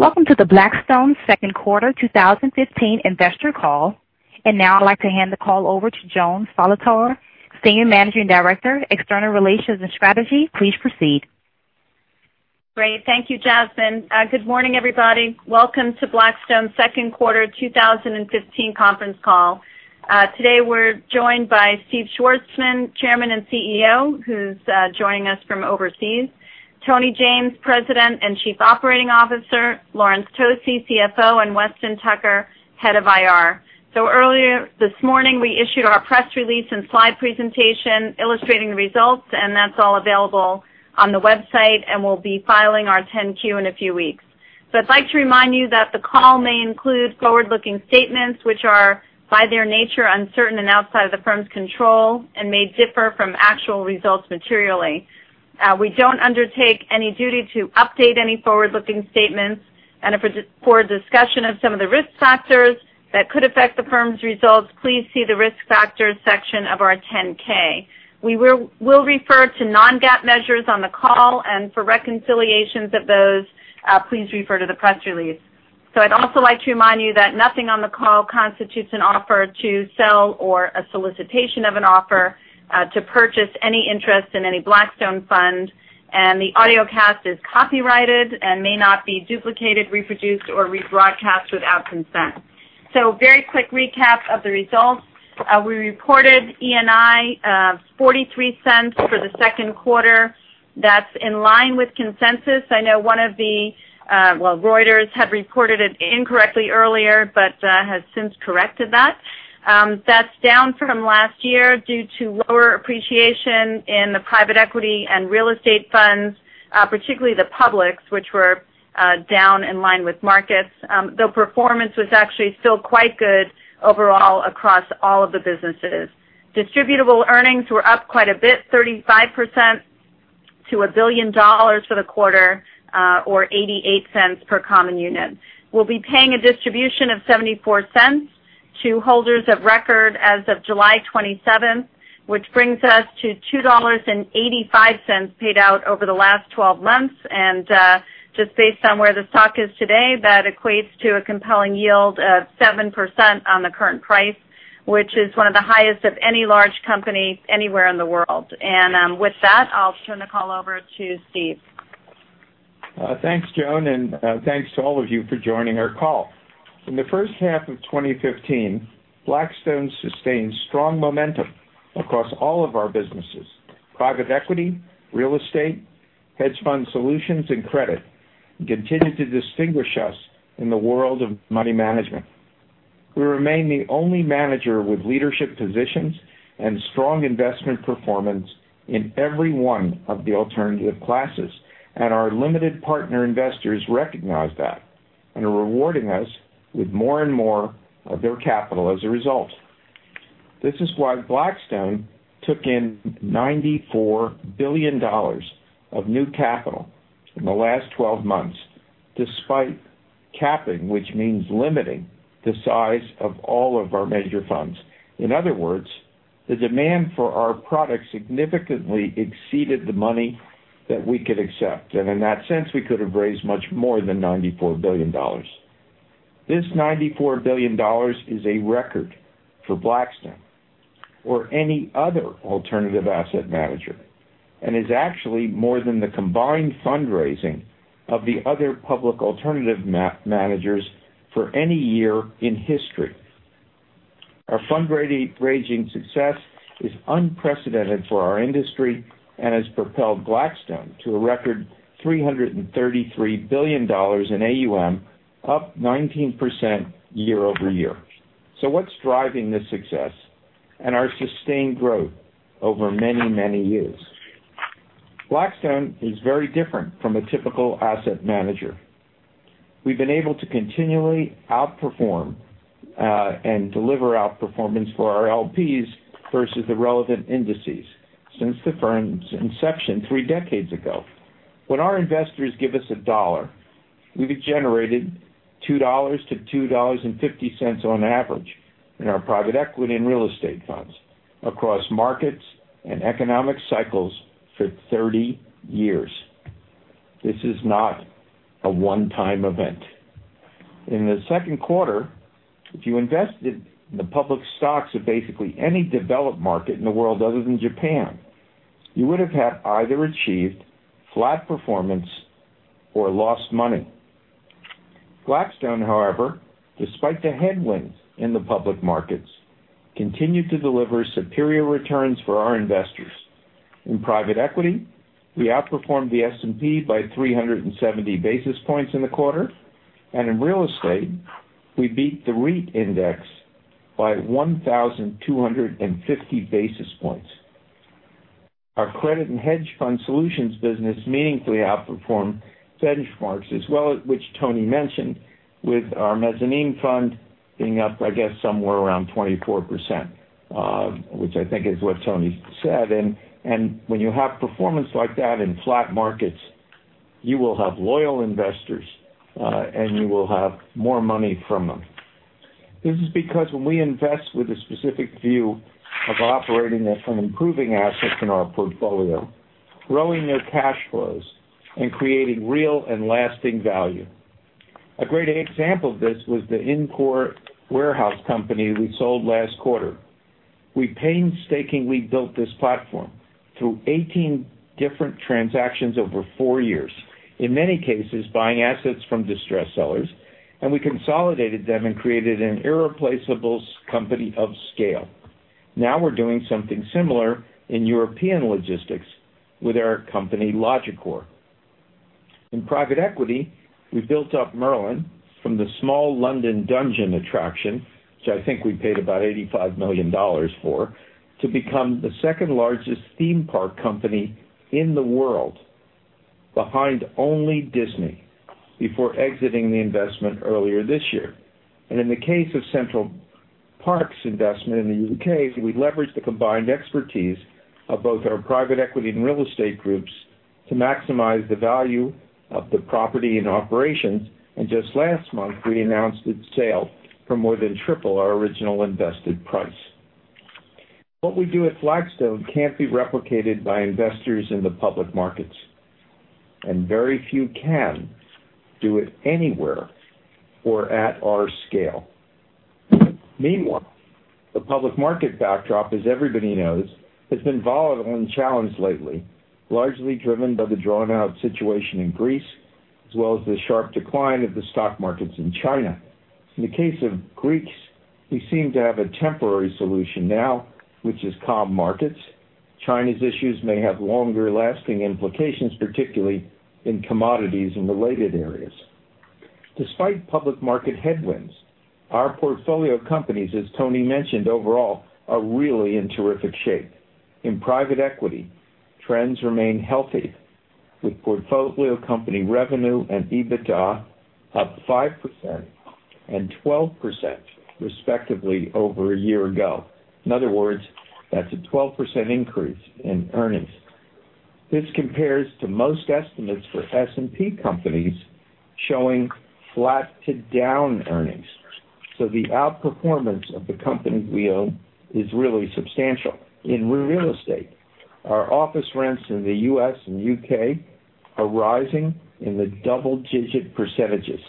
Welcome to the Blackstone second quarter 2015 investor call. Now I'd like to hand the call over to Joan Solotar, Senior Managing Director, External Relations and Strategy. Please proceed. Great. Thank you, Jasmine. Good morning, everybody. Welcome to Blackstone's second quarter 2015 conference call. Today we're joined by Steve Schwarzman, Chairman and CEO, who's joining us from overseas. Tony James, President and Chief Operating Officer, Laurence Tosi, CFO, and Weston Tucker, Head of IR. Earlier this morning, we issued our press release and slide presentation illustrating the results, that's all available on the website, and we'll be filing our 10-Q in a few weeks. I'd like to remind you that the call may include forward-looking statements, which are, by their nature, uncertain and outside of the firm's control and may differ from actual results materially. We don't undertake any duty to update any forward-looking statements. For discussion of some of the risk factors that could affect the firm's results, please see the risk factors section of our 10-K. We will refer to non-GAAP measures on the call and for reconciliations of those, please refer to the press release. I'd also like to remind you that nothing on the call constitutes an offer to sell or a solicitation of an offer, to purchase any interest in any Blackstone fund, and the audiocast is copyrighted and may not be duplicated, reproduced, or rebroadcast without consent. Very quick recap of the results. We reported ENI of $0.43 for the second quarter. That's in line with consensus. I know one of the Well, Reuters had reported it incorrectly earlier but has since corrected that. That's down from last year due to lower appreciation in the private equity and real estate funds, particularly the publics, which were down in line with markets, though performance was actually still quite good overall across all of the businesses. Distributable earnings were up quite a bit, 35% to $1 billion for the quarter, or $0.88 per common unit. We'll be paying a distribution of $0.74 to holders of record as of July 27th, which brings us to $2.85 paid out over the last twelve months. Just based on where the stock is today, that equates to a compelling yield of 7% on the current price, which is one of the highest of any large company anywhere in the world. With that, I'll turn the call over to Steve. Thanks, Joan, thanks to all of you for joining our call. In the first half of 2015, Blackstone sustained strong momentum across all of our businesses. Private equity, real estate, hedge fund solutions, and credit continued to distinguish us in the world of money management. We remain the only manager with leadership positions and strong investment performance in every one of the alternative classes, our limited partner investors recognize that and are rewarding us with more and more of their capital as a result. This is why Blackstone took in $94 billion of new capital in the last 12 months, despite capping, which means limiting the size of all of our major funds. In other words, the demand for our product significantly exceeded the money that we could accept, in that sense, we could have raised much more than $94 billion. This $94 billion is a record for Blackstone or any other alternative asset manager, is actually more than the combined fundraising of the other public alternative managers for any year in history. Our fundraising success is unprecedented for our industry and has propelled Blackstone to a record $333 billion in AUM, up 19% year-over-year. What's driving this success and our sustained growth over many, many years? Blackstone is very different from a typical asset manager. We've been able to continually outperform, deliver outperformance for our LPs versus the relevant indices since the firm's inception 3 decades ago. When our investors give us a dollar, we've generated $2 to $2.50 on average in our private equity and real estate funds across markets and economic cycles for 30 years. This is not a one-time event. In the second quarter, if you invested in the public stocks of basically any developed market in the world other than Japan, you would have had either achieved flat performance or lost money. Blackstone, however, despite the headwinds in the public markets, continued to deliver superior returns for our investors. In private equity, we outperformed the S&P by 370 basis points in the quarter, in real estate, we beat the REIT index by 1,250 basis points. Our credit and hedge fund solutions business meaningfully outperformed benchmarks as well, which Tony mentioned, with our mezzanine fund being up, I guess, somewhere around 24%, which I think is what Tony said. When you have performance like that in flat markets, you will have loyal investors, you will have more money from them. This is because when we invest with a specific view of operating and improving assets in our portfolio, growing their cash flows, creating real and lasting value. A great example of this was the IndCor warehouse company we sold last quarter. We painstakingly built this platform through 18 different transactions over 4 years, in many cases buying assets from distressed sellers, we consolidated them and created an irreplaceable company of scale. Now we're doing something similar in European logistics with our company, Logicor. In private equity, we built up Merlin from the small London Dungeon attraction, which I think we paid about $85 million for, to become the second-largest theme park company in the world, behind only Disney, before exiting the investment earlier this year. In the case of Center Parcs investment in the U.K., we leveraged the combined expertise of both our private equity and real estate groups to maximize the value of the property and operations. Just last month, we announced its sale for more than triple our original invested price. What we do at Blackstone can't be replicated by investors in the public markets, and very few can do it anywhere or at our scale. Meanwhile, the public market backdrop, as everybody knows, has been volatile and challenged lately, largely driven by the drawn-out situation in Greece, as well as the sharp decline of the stock markets in China. In the case of Greece, we seem to have a temporary solution now, which is calm markets. China's issues may have longer-lasting implications, particularly in commodities and related areas. Despite public market headwinds, our portfolio companies, as Tony mentioned, overall, are really in terrific shape. In private equity, trends remain healthy, with portfolio company revenue and EBITDA up 5% and 12%, respectively, over a year ago. In other words, that's a 12% increase in earnings. This compares to most estimates for S&P companies showing flat to down earnings. The outperformance of the companies we own is really substantial. In real estate, our office rents in the U.S. and U.K. are rising in the double-digit percentages,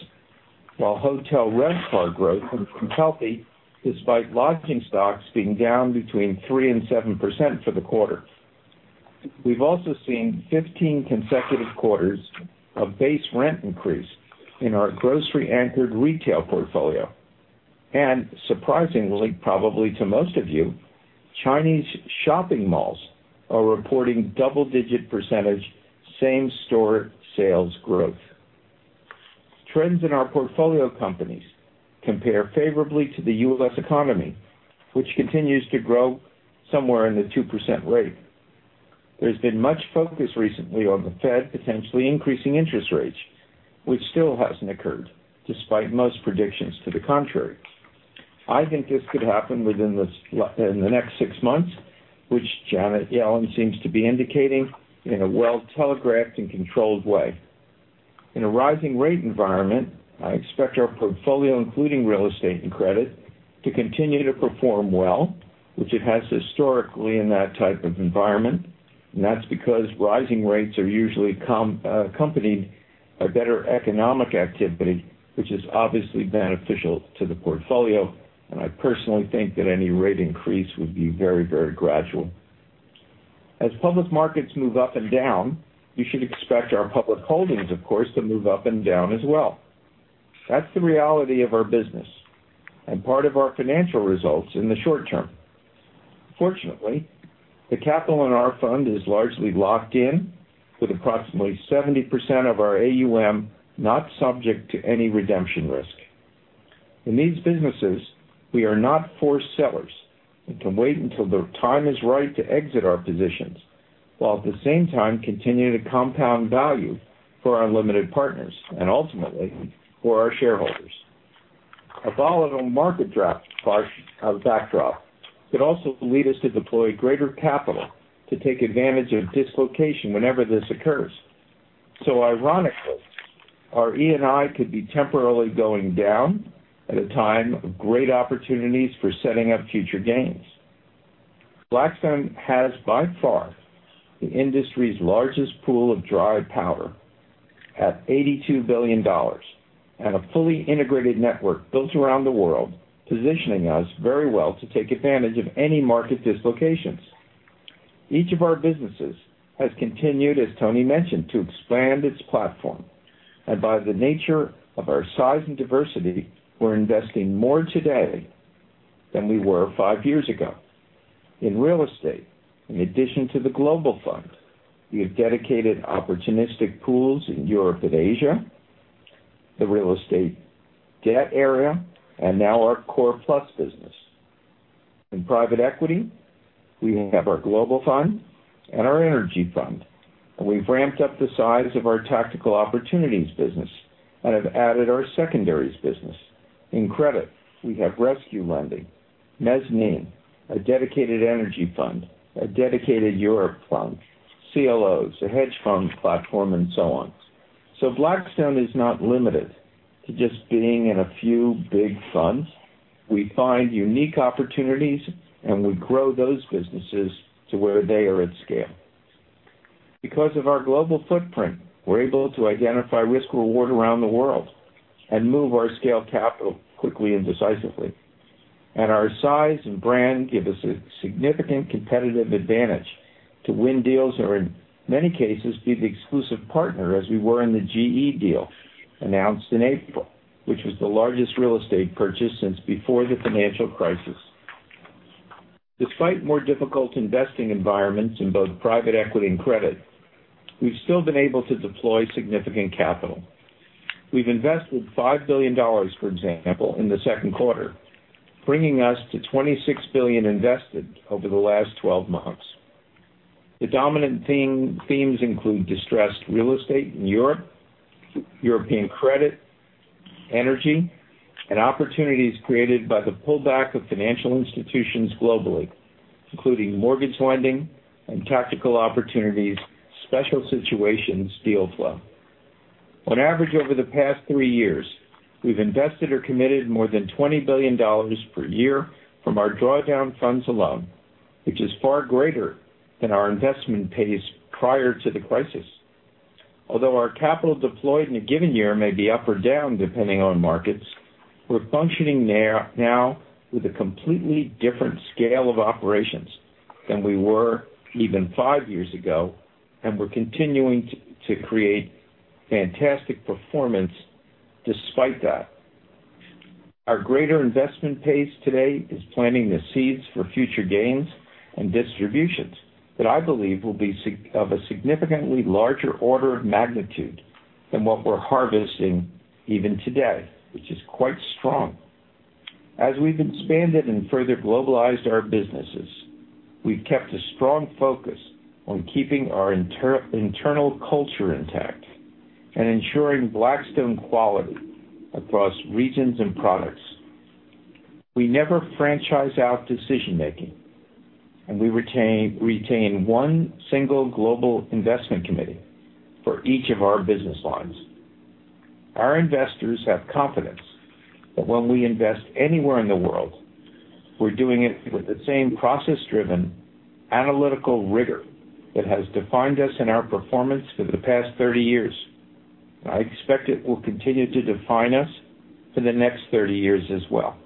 while hotel RevPAR growth has been healthy despite lodging stocks being down between 3% and 7% for the quarter. We've also seen 15 consecutive quarters of base rent increase in our grocery-anchored retail portfolio. Surprisingly, probably to most of you, Chinese shopping malls are reporting double-digit percentage same-store sales growth. Trends in our portfolio companies compare favorably to the U.S. economy, which continues to grow somewhere in the 2% rate. There's been much focus recently on the Fed potentially increasing interest rates, which still hasn't occurred, despite most predictions to the contrary. I think this could happen within the next six months, which Janet Yellen seems to be indicating in a well-telegraphed and controlled way. In a rising rate environment, I expect our portfolio, including real estate and credit, to continue to perform well, which it has historically in that type of environment. That's because rising rates are usually accompanied by better economic activity, which is obviously beneficial to the portfolio. I personally think that any rate increase would be very, very gradual. As public markets move up and down, you should expect our public holdings, of course, to move up and down as well. That's the reality of our business and part of our financial results in the short term. Fortunately, the capital in our fund is largely locked in with approximately 70% of our AUM not subject to any redemption risk. In these businesses, we are not forced sellers and can wait until the time is right to exit our positions, while at the same time continuing to compound value for our limited partners and ultimately for our shareholders. A volatile market drop, plus a backdrop could also lead us to deploy greater capital to take advantage of dislocation whenever this occurs. Ironically, our ENI could be temporarily going down at a time of great opportunities for setting up future gains. Blackstone has, by far, the industry's largest pool of dry powder at $82 billion and a fully integrated network built around the world, positioning us very well to take advantage of any market dislocations. Each of our businesses has continued, as Tony mentioned, to expand its platform. By the nature of our size and diversity, we're investing more today than we were five years ago. In real estate, in addition to the global fund, we have dedicated opportunistic pools in Europe and Asia, the real estate debt area, and now our Core Plus business. In private equity, we have our global fund and our energy fund. We've ramped up the size of our Tactical Opportunities business and have added our secondaries business. In credit, we have rescue lending, mezzanine, a dedicated energy fund, a dedicated Europe fund, CLOs, a hedge fund platform, so on. Blackstone is not limited to just being in a few big funds. We find unique opportunities, we grow those businesses to where they are at scale. Because of our global footprint, we're able to identify risk/reward around the world and move our scaled capital quickly and decisively. Our size and brand give us a significant competitive advantage to win deals or, in many cases, be the exclusive partner, as we were in the GE deal announced in April, which was the largest real estate purchase since before the financial crisis. Despite more difficult investing environments in both private equity and credit, we've still been able to deploy significant capital. We've invested $5 billion, for example, in the second quarter, bringing us to $26 billion invested over the last 12 months. The dominant themes include distressed real estate in Europe, European credit, energy, opportunities created by the pullback of financial institutions globally, including mortgage lending and Tactical Opportunities, special situations deal flow. On average, over the past three years, we've invested or committed more than $20 billion per year from our drawdown funds alone, which is far greater than our investment pace prior to the crisis. Although our capital deployed in a given year may be up or down depending on markets, we're functioning now with a completely different scale of operations than we were even five years ago. We're continuing to create fantastic performance despite that. Our greater investment pace today is planting the seeds for future gains and distributions that I believe will be of a significantly larger order of magnitude than what we're harvesting even today, which is quite strong. As we've expanded and further globalized our businesses, we've kept a strong focus on keeping our internal culture intact, ensuring Blackstone quality across regions and products. We never franchise out decision-making. We retain one single global investment committee for each of our business lines. Our investors have confidence that when we invest anywhere in the world, we're doing it with the same process-driven analytical rigor that has defined us in our performance for the past 30 years. I expect it will continue to define us for the next 30 years as well.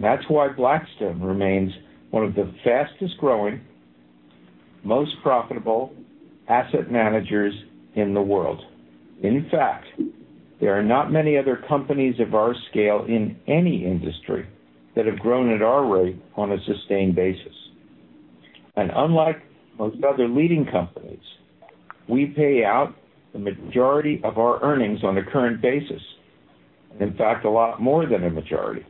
That's why Blackstone remains one of the fastest-growing, most profitable asset managers in the world. In fact, there are not many other companies of our scale in any industry that have grown at our rate on a sustained basis. Unlike most other leading companies, we pay out the majority of our earnings on a current basis. In fact, a lot more than a majority,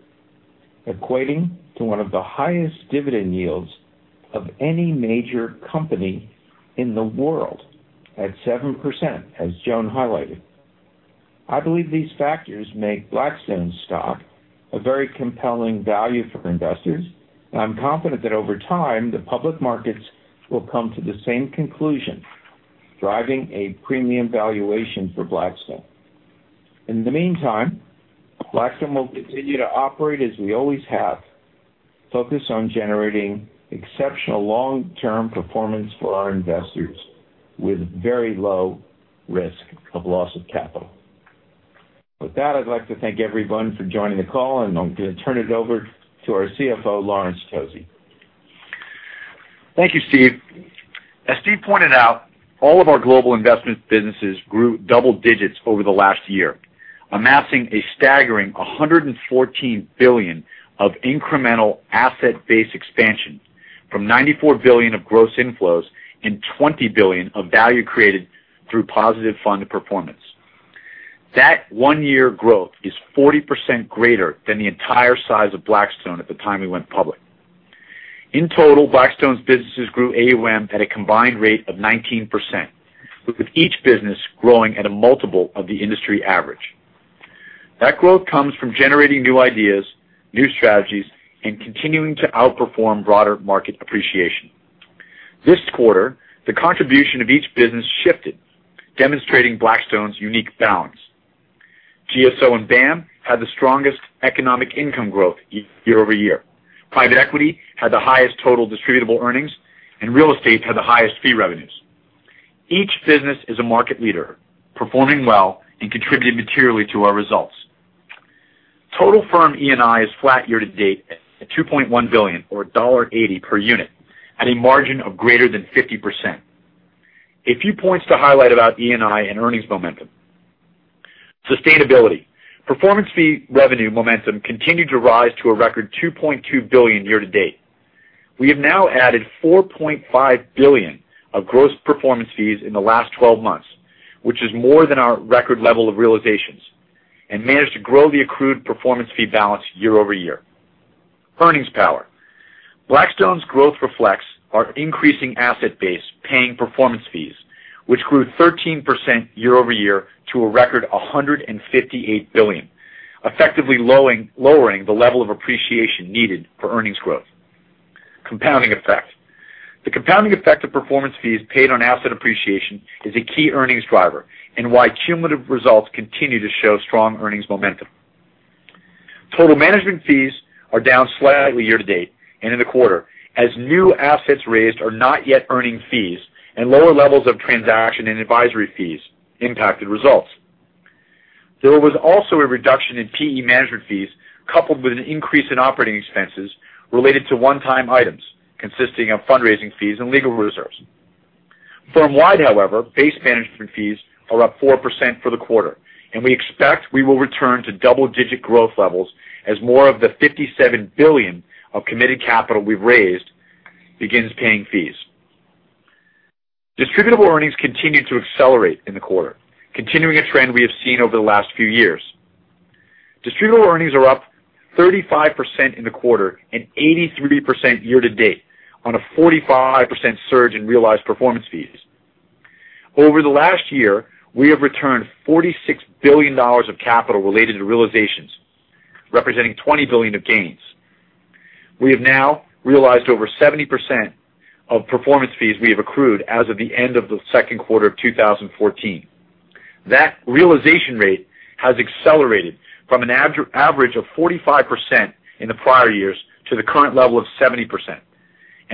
equating to one of the highest dividend yields of any major company in the world at 7%, as Joan highlighted. I believe these factors make Blackstone stock a very compelling value for investors. I'm confident that over time, the public markets will come to the same conclusion, driving a premium valuation for Blackstone. In the meantime, Blackstone will continue to operate as we always have, focused on generating exceptional long-term performance for our investors with very low risk of loss of capital. With that, I'd like to thank everyone for joining the call, and I'm going to turn it over to our CFO, Laurence Tosi. Thank you, Steve. As Steve pointed out, all of our global investment businesses grew double digits over the last year, amassing a staggering $114 billion of incremental asset base expansion from $94 billion of gross inflows and $20 billion of value created through positive fund performance. That one year of growth is 40% greater than the entire size of Blackstone at the time we went public. In total, Blackstone's businesses grew AUM at a combined rate of 19%, with each business growing at a multiple of the industry average. That growth comes from generating new ideas, new strategies, and continuing to outperform broader market appreciation. This quarter, the contribution of each business shifted, demonstrating Blackstone's unique balance. GSO and BAAM had the strongest economic income growth year-over-year. Private equity had the highest total distributable earnings, and real estate had the highest fee revenues. Each business is a market leader, performing well and contributing materially to our results. Total firm ENI is flat year-to-date at $2.1 billion or $1.80 per unit, at a margin of greater than 50%. A few points to highlight about ENI and earnings momentum. Sustainability. Performance fee revenue momentum continued to rise to a record $2.2 billion year-to-date. We have now added $4.5 billion of gross performance fees in the last 12 months, which is more than our record level of realizations, and managed to grow the accrued performance fee balance year-over-year. Earnings power. Blackstone's growth reflects our increasing asset base paying performance fees, which grew 13% year-over-year to a record $158 billion, effectively lowering the level of appreciation needed for earnings growth. Compounding effect. The compounding effect of performance fees paid on asset appreciation is a key earnings driver and why cumulative results continue to show strong earnings momentum. Total management fees are down slightly year-to-date and in the quarter, as new assets raised are not yet earning fees and lower levels of transaction and advisory fees impacted results. There was also a reduction in PE management fees coupled with an increase in operating expenses related to one-time items consisting of fundraising fees and legal reserves. Firm-wide, however, base management fees are up 4% for the quarter, and we expect we will return to double-digit growth levels as more of the $57 billion of committed capital we've raised begins paying fees. Distributable earnings continued to accelerate in the quarter, continuing a trend we have seen over the last few years. Distributable earnings are up 35% in the quarter and 83% year-to-date on a 45% surge in realized performance fees. Over the last year, we have returned $46 billion of capital related to realizations, representing $20 billion of gains. We have now realized over 70% of performance fees we have accrued as of the end of the second quarter of 2014. That realization rate has accelerated from an average of 45% in the prior years to the current level of 70%.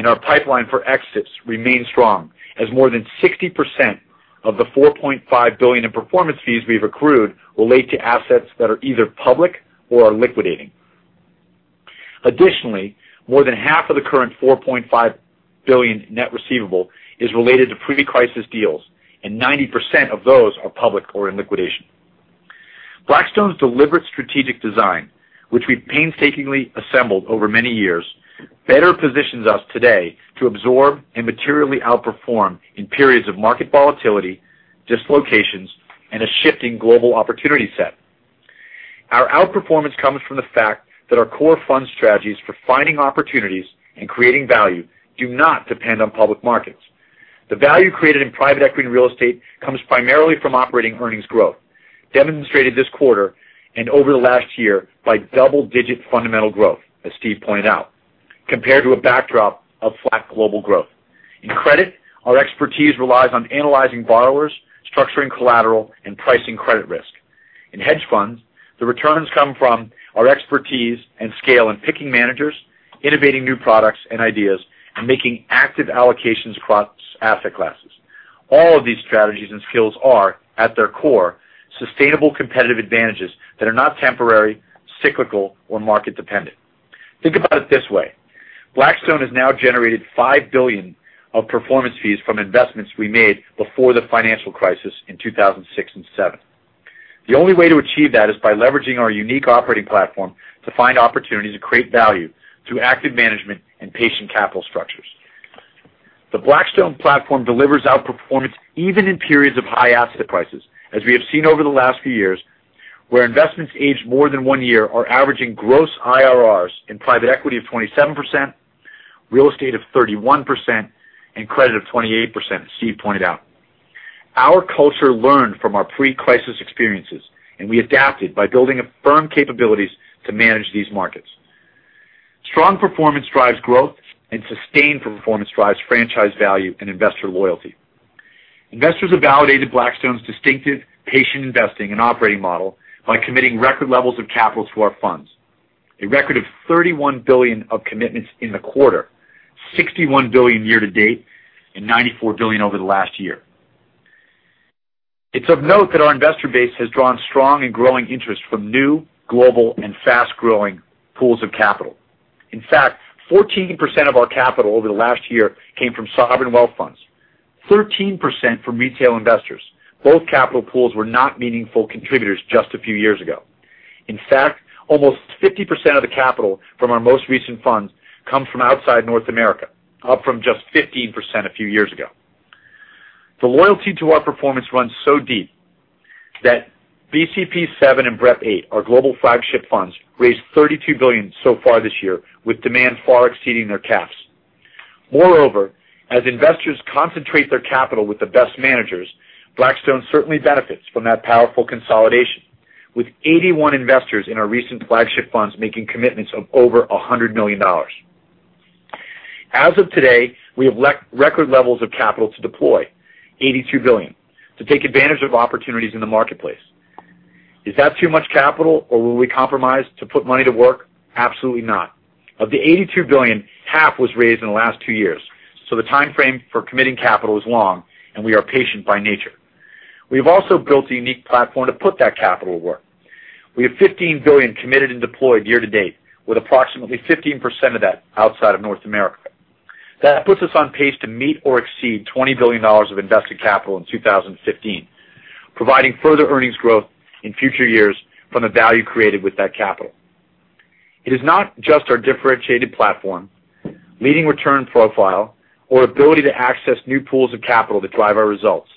Our pipeline for exits remains strong, as more than 60% of the $4.5 billion in performance fees we've accrued relate to assets that are either public or are liquidating. Additionally, more than half of the current $4.5 billion net receivable is related to pre-crisis deals, and 90% of those are public or in liquidation. Blackstone's deliberate strategic design, which we've painstakingly assembled over many years, better positions us today to absorb and materially outperform in periods of market volatility, dislocations, and a shifting global opportunity set. Our outperformance comes from the fact that our core fund strategies for finding opportunities and creating value do not depend on public markets. The value created in private equity and real estate comes primarily from operating earnings growth, demonstrated this quarter and over the last year by double-digit fundamental growth, as Steve pointed out, compared to a backdrop of flat global growth. In credit, our expertise relies on analyzing borrowers, structuring collateral, and pricing credit risk. In hedge funds, the returns come from our expertise and scale in picking managers, innovating new products and ideas, and making active allocations across asset classes. All of these strategies and skills are, at their core, sustainable competitive advantages that are not temporary, cyclical, or market-dependent. Think about it this way: Blackstone has now generated $5 billion of performance fees from investments we made before the financial crisis in 2006 and 2007. The only way to achieve that is by leveraging our unique operating platform to find opportunities and create value through active management and patient capital structures. The Blackstone platform delivers outperformance even in periods of high asset prices. As we have seen over the last few years, where investments aged more than one year are averaging gross IRRs in private equity of 27%, real estate of 31%, and credit of 28%, as Steve pointed out. Our culture learned from our pre-crisis experiences, we adapted by building firm capabilities to manage these markets. Strong performance drives growth, sustained performance drives franchise value and investor loyalty. Investors have validated Blackstone's distinctive patient investing and operating model by committing record levels of capital to our funds. A record of $31 billion of commitments in the quarter, $61 billion year-to-date, and $94 billion over the last year. It's of note that our investor base has drawn strong and growing interest from new, global, and fast-growing pools of capital. 14% of our capital over the last year came from sovereign wealth funds, 13% from retail investors. Both capital pools were not meaningful contributors just a few years ago. Almost 50% of the capital from our most recent funds come from outside North America, up from just 15% a few years ago. The loyalty to our performance runs so deep that BCP VII and BREP VIII, our global flagship funds, raised $32 billion so far this year, with demand far exceeding their caps. Moreover, as investors concentrate their capital with the best managers, Blackstone certainly benefits from that powerful consolidation, with 81 investors in our recent flagship funds making commitments of over $100 million. As of today, we have record levels of capital to deploy, $82 billion, to take advantage of opportunities in the marketplace. Is that too much capital, or will we compromise to put money to work? Absolutely not. Of the $82 billion, half was raised in the last two years, so the timeframe for committing capital is long, and we are patient by nature. We have also built a unique platform to put that capital to work. We have $15 billion committed and deployed year-to-date, with approximately 15% of that outside of North America. That puts us on pace to meet or exceed $20 billion of invested capital in 2015. Providing further earnings growth in future years from the value created with that capital. It is not just our differentiated platform, leading return profile, or ability to access new pools of capital that drive our results.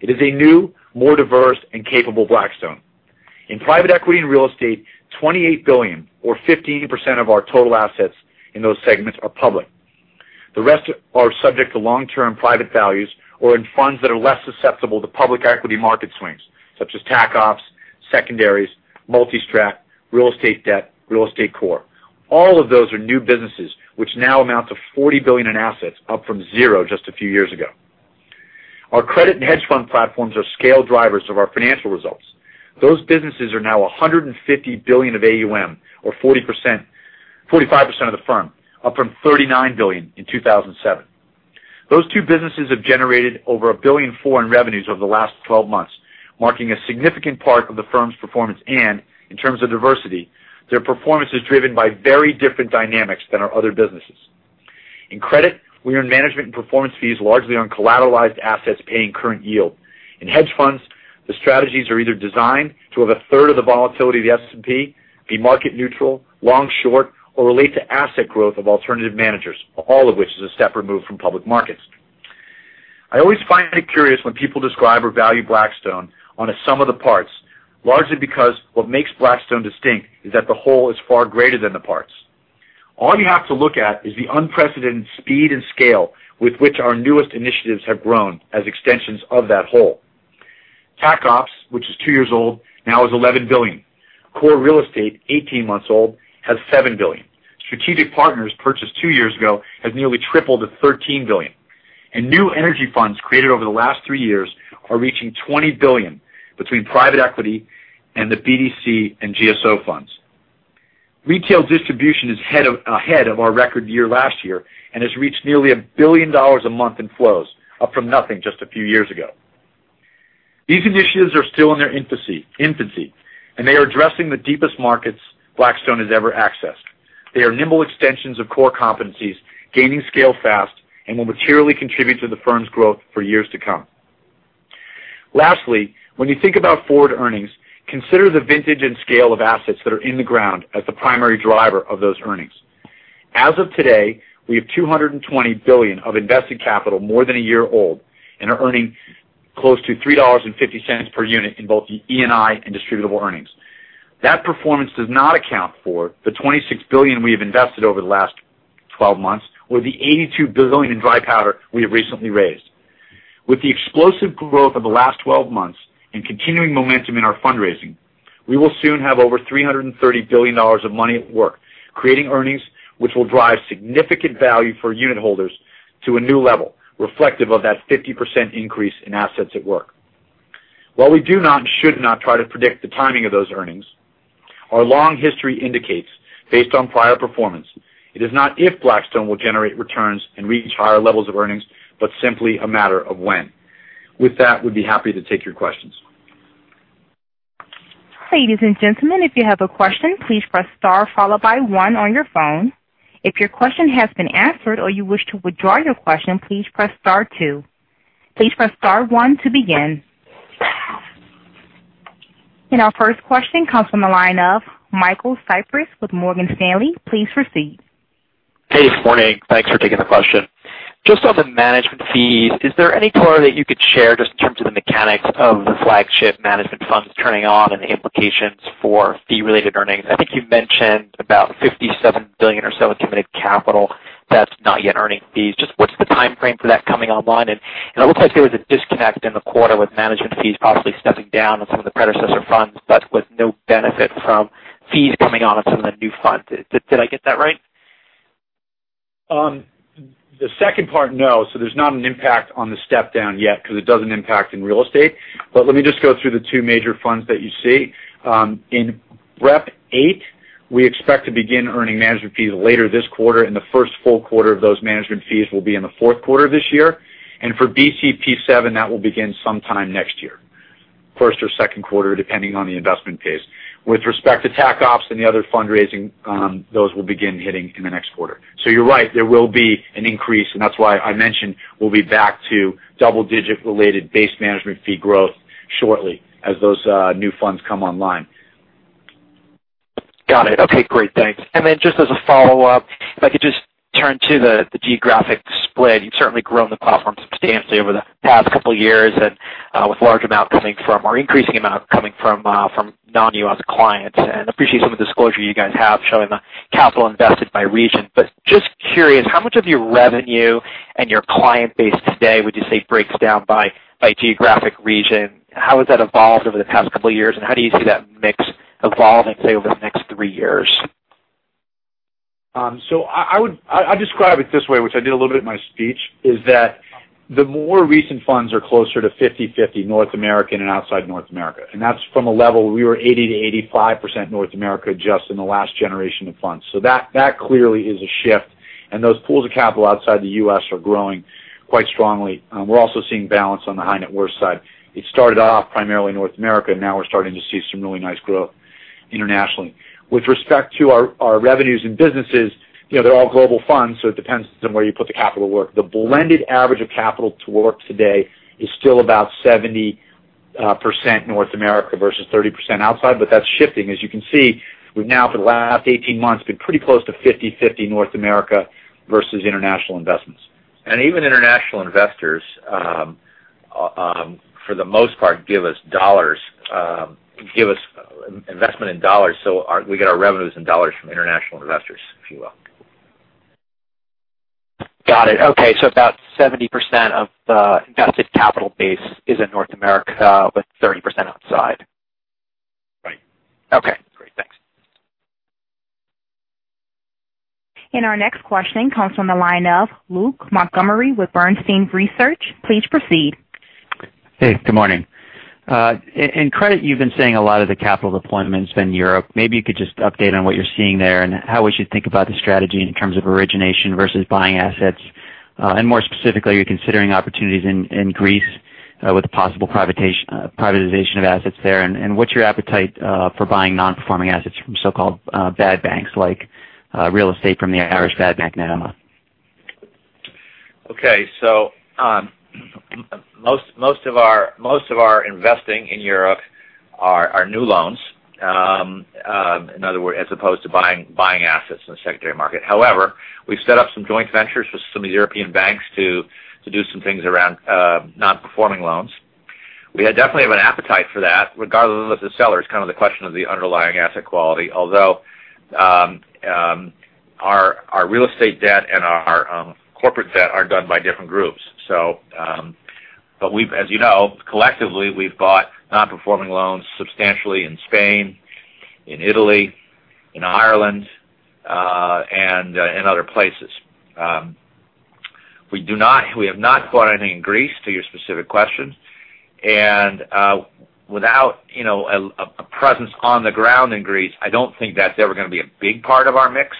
It is a new, more diverse, and capable Blackstone. In private equity and real estate, $28 billion, or 15% of our total assets in those segments are public. The rest are subject to long-term private values or in funds that are less susceptible to public equity market swings, such as Tac Ops, secondaries, multi-strat, real estate debt, Core Real Estate. All of those are new businesses, which now amount to $40 billion in assets, up from zero just a few years ago. Our credit and hedge fund platforms are scale drivers of our financial results. Those businesses are now $150 billion of AUM or 45% of the firm, up from $39 billion in 2007. Those two businesses have generated over $1 billion in revenues over the last 12 months, marking a significant part of the firm's performance. In terms of diversity, their performance is driven by very different dynamics than our other businesses. In credit, we earn management and performance fees largely on collateralized assets paying current yield. In hedge funds, the strategies are either designed to have a third of the volatility of the S&P, be market neutral, long-short, or relate to asset growth of alternative managers, all of which is a step removed from public markets. I always find it curious when people describe or value Blackstone on a sum of the parts, largely because what makes Blackstone distinct is that the whole is far greater than the parts. All you have to look at is the unprecedented speed and scale with which our newest initiatives have grown as extensions of that whole. Tac Ops, which is two years old, now is $11 billion. Core Real Estate, 18 months old, has $7 billion. Strategic Partners, purchased two years ago, has nearly tripled to $13 billion. New energy funds created over the last three years are reaching $20 billion between private equity and the BDC and GSO funds. Retail distribution is ahead of our record year last year and has reached nearly $1 billion a month in flows, up from nothing just a few years ago. These initiatives are still in their infancy. They are addressing the deepest markets Blackstone has ever accessed. They are nimble extensions of core competencies, gaining scale fast, and will materially contribute to the firm's growth for years to come. Lastly, when you think about forward earnings, consider the vintage and scale of assets that are in the ground as the primary driver of those earnings. As of today, we have $220 billion of invested capital more than a year old and are earning close to $3.50 per unit in both ENI and distributable earnings. That performance does not account for the $26 billion we have invested over the last 12 months or the $82 billion in dry powder we have recently raised. With the explosive growth over the last 12 months and continuing momentum in our fundraising, we will soon have over $330 billion of money at work creating earnings, which will drive significant value for unit holders to a new level reflective of that 50% increase in assets at work. While we do not and should not try to predict the timing of those earnings, our long history indicates, based on prior performance, it is not if Blackstone will generate returns and reach higher levels of earnings, but simply a matter of when. With that, we'd be happy to take your questions. Ladies and gentlemen, if you have a question, please press star followed by one on your phone. If your question has been answered or you wish to withdraw your question, please press star two. Please press star one to begin. Our first question comes from the line of Michael Cyprys with Morgan Stanley. Please proceed. Hey, good morning. Thanks for taking the question. Just on the management fees, is there any color that you could share just in terms of the mechanics of the flagship management funds turning on and the implications for fee-related earnings? I think you've mentioned about $57 billion or so in committed capital that's not yet earning fees. Just what's the timeframe for that coming online? It looks like there was a disconnect in the quarter with management fees possibly stepping down on some of the predecessor funds, but with no benefit from fees coming on in some of the new funds. Did I get that right? The second part, no. There's not an impact on the step down yet because it doesn't impact in real estate. Let me just go through the two major funds that you see. In BREP VIII, we expect to begin earning management fees later this quarter, and the first full quarter of those management fees will be in the fourth quarter of this year. For BCP VII, that will begin sometime next year. First or second quarter, depending on the investment pace. With respect to Tac Ops and the other fundraising, those will begin hitting in the next quarter. You're right, there will be an increase, and that's why I mentioned we'll be back to double-digit related base management fee growth shortly as those new funds come online. Got it. Okay, great. Thanks. Just as a follow-up, if I could just turn to the geographic split. You've certainly grown the platform substantially over the past couple of years, with large amount coming from, or increasing amount coming from non-U.S. clients. Appreciate some of the disclosure you guys have showing the capital invested by region. Just curious, how much of your revenue and your client base today would you say breaks down by geographic region? How has that evolved over the past couple of years, and how do you see that mix evolving, say, over the next three years? I describe it this way, which I did a little bit in my speech, is that the more recent funds are closer to 50/50 North American and outside North America. That's from a level we were 80%-85% North America just in the last generation of funds. That clearly is a shift, and those pools of capital outside the U.S. are growing quite strongly. We're also seeing balance on the high net worth side. It started off primarily North America. Now we're starting to see some really nice growth internationally. With respect to our revenues and businesses, they're all global funds, so it depends on where you put the capital to work. The blended average of capital to work today is still about 70% North America versus 30% outside, but that's shifting. As you can see, we've now, for the last 18 months, been pretty close to 50/50 North America versus international investments. Even international investors, for the most part, give us investment in $. We get our revenues in $ from international investors, if you will. Got it. Okay. About 70% of the invested capital base is in North America, with 30% outside. Right. Okay, great. Thanks. Our next question comes from the line of Luke Montgomery with Bernstein Research. Please proceed. Hey, good morning. In credit, you've been seeing a lot of the capital deployments in Europe. Maybe you could just update on what you're seeing there and how we should think about the strategy in terms of origination versus buying assets. More specifically, are you considering opportunities in Greece with the possible privatization of assets there? What's your appetite for buying non-performing assets from so-called bad banks, like real estate from the Irish bad bank, NAMA? Okay. Most of our investing in Europe are new loans. In other words, as opposed to buying assets in the secondary market. However, we've set up some joint ventures with some of the European banks to do some things around non-performing loans. We definitely have an appetite for that, regardless of the seller. It's kind of the question of the underlying asset quality. Although, our real estate debt and our corporate debt are done by different groups. As you know, collectively, we've bought non-performing loans substantially in Spain, in Italy, in Ireland, and other places. We have not bought anything in Greece, to your specific question. Without a presence on the ground in Greece, I don't think that's ever going to be a big part of our mix.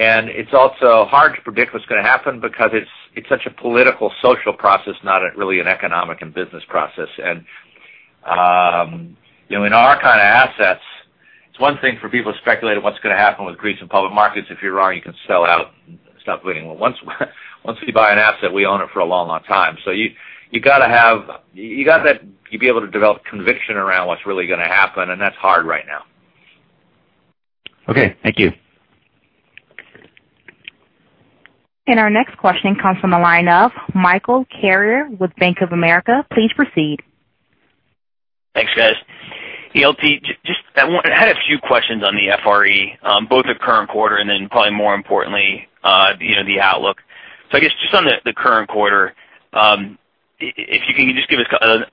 It's also hard to predict what's going to happen because it's such a political, social process, not really an economic and business process. In our kind of assets, it's one thing for people to speculate on what's going to happen with Greece and public markets. If you're wrong, you can sell out and stop bleeding. Once we buy an asset, we own it for a long, long time. You got to be able to develop conviction around what's really going to happen, and that's hard right now. Okay. Thank you. Our next question comes from the line of Michael Carrier with Bank of America. Please proceed. Thanks, guys. LT, I had a few questions on the FRE, both the current quarter and then probably more importantly, the outlook. I guess just on the current quarter, if you can just give us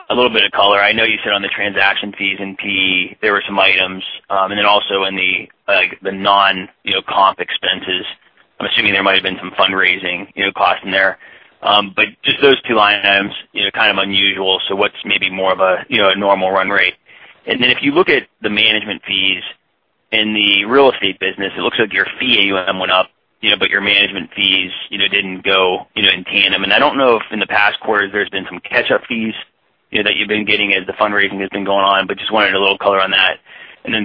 a little bit of color. I know you said on the transaction fees in PE, there were some items. Then also in the non-comp expenses, I'm assuming there might have been some fundraising cost in there. Just those two items, kind of unusual. What's maybe more of a normal run rate? Then if you look at the management fees in the real estate business, it looks like your fee AUM went up but your management fees didn't go in tandem. I don't know if in the past quarters there's been some catch-up fees that you've been getting as the fundraising has been going on, but just wanted a little color on that.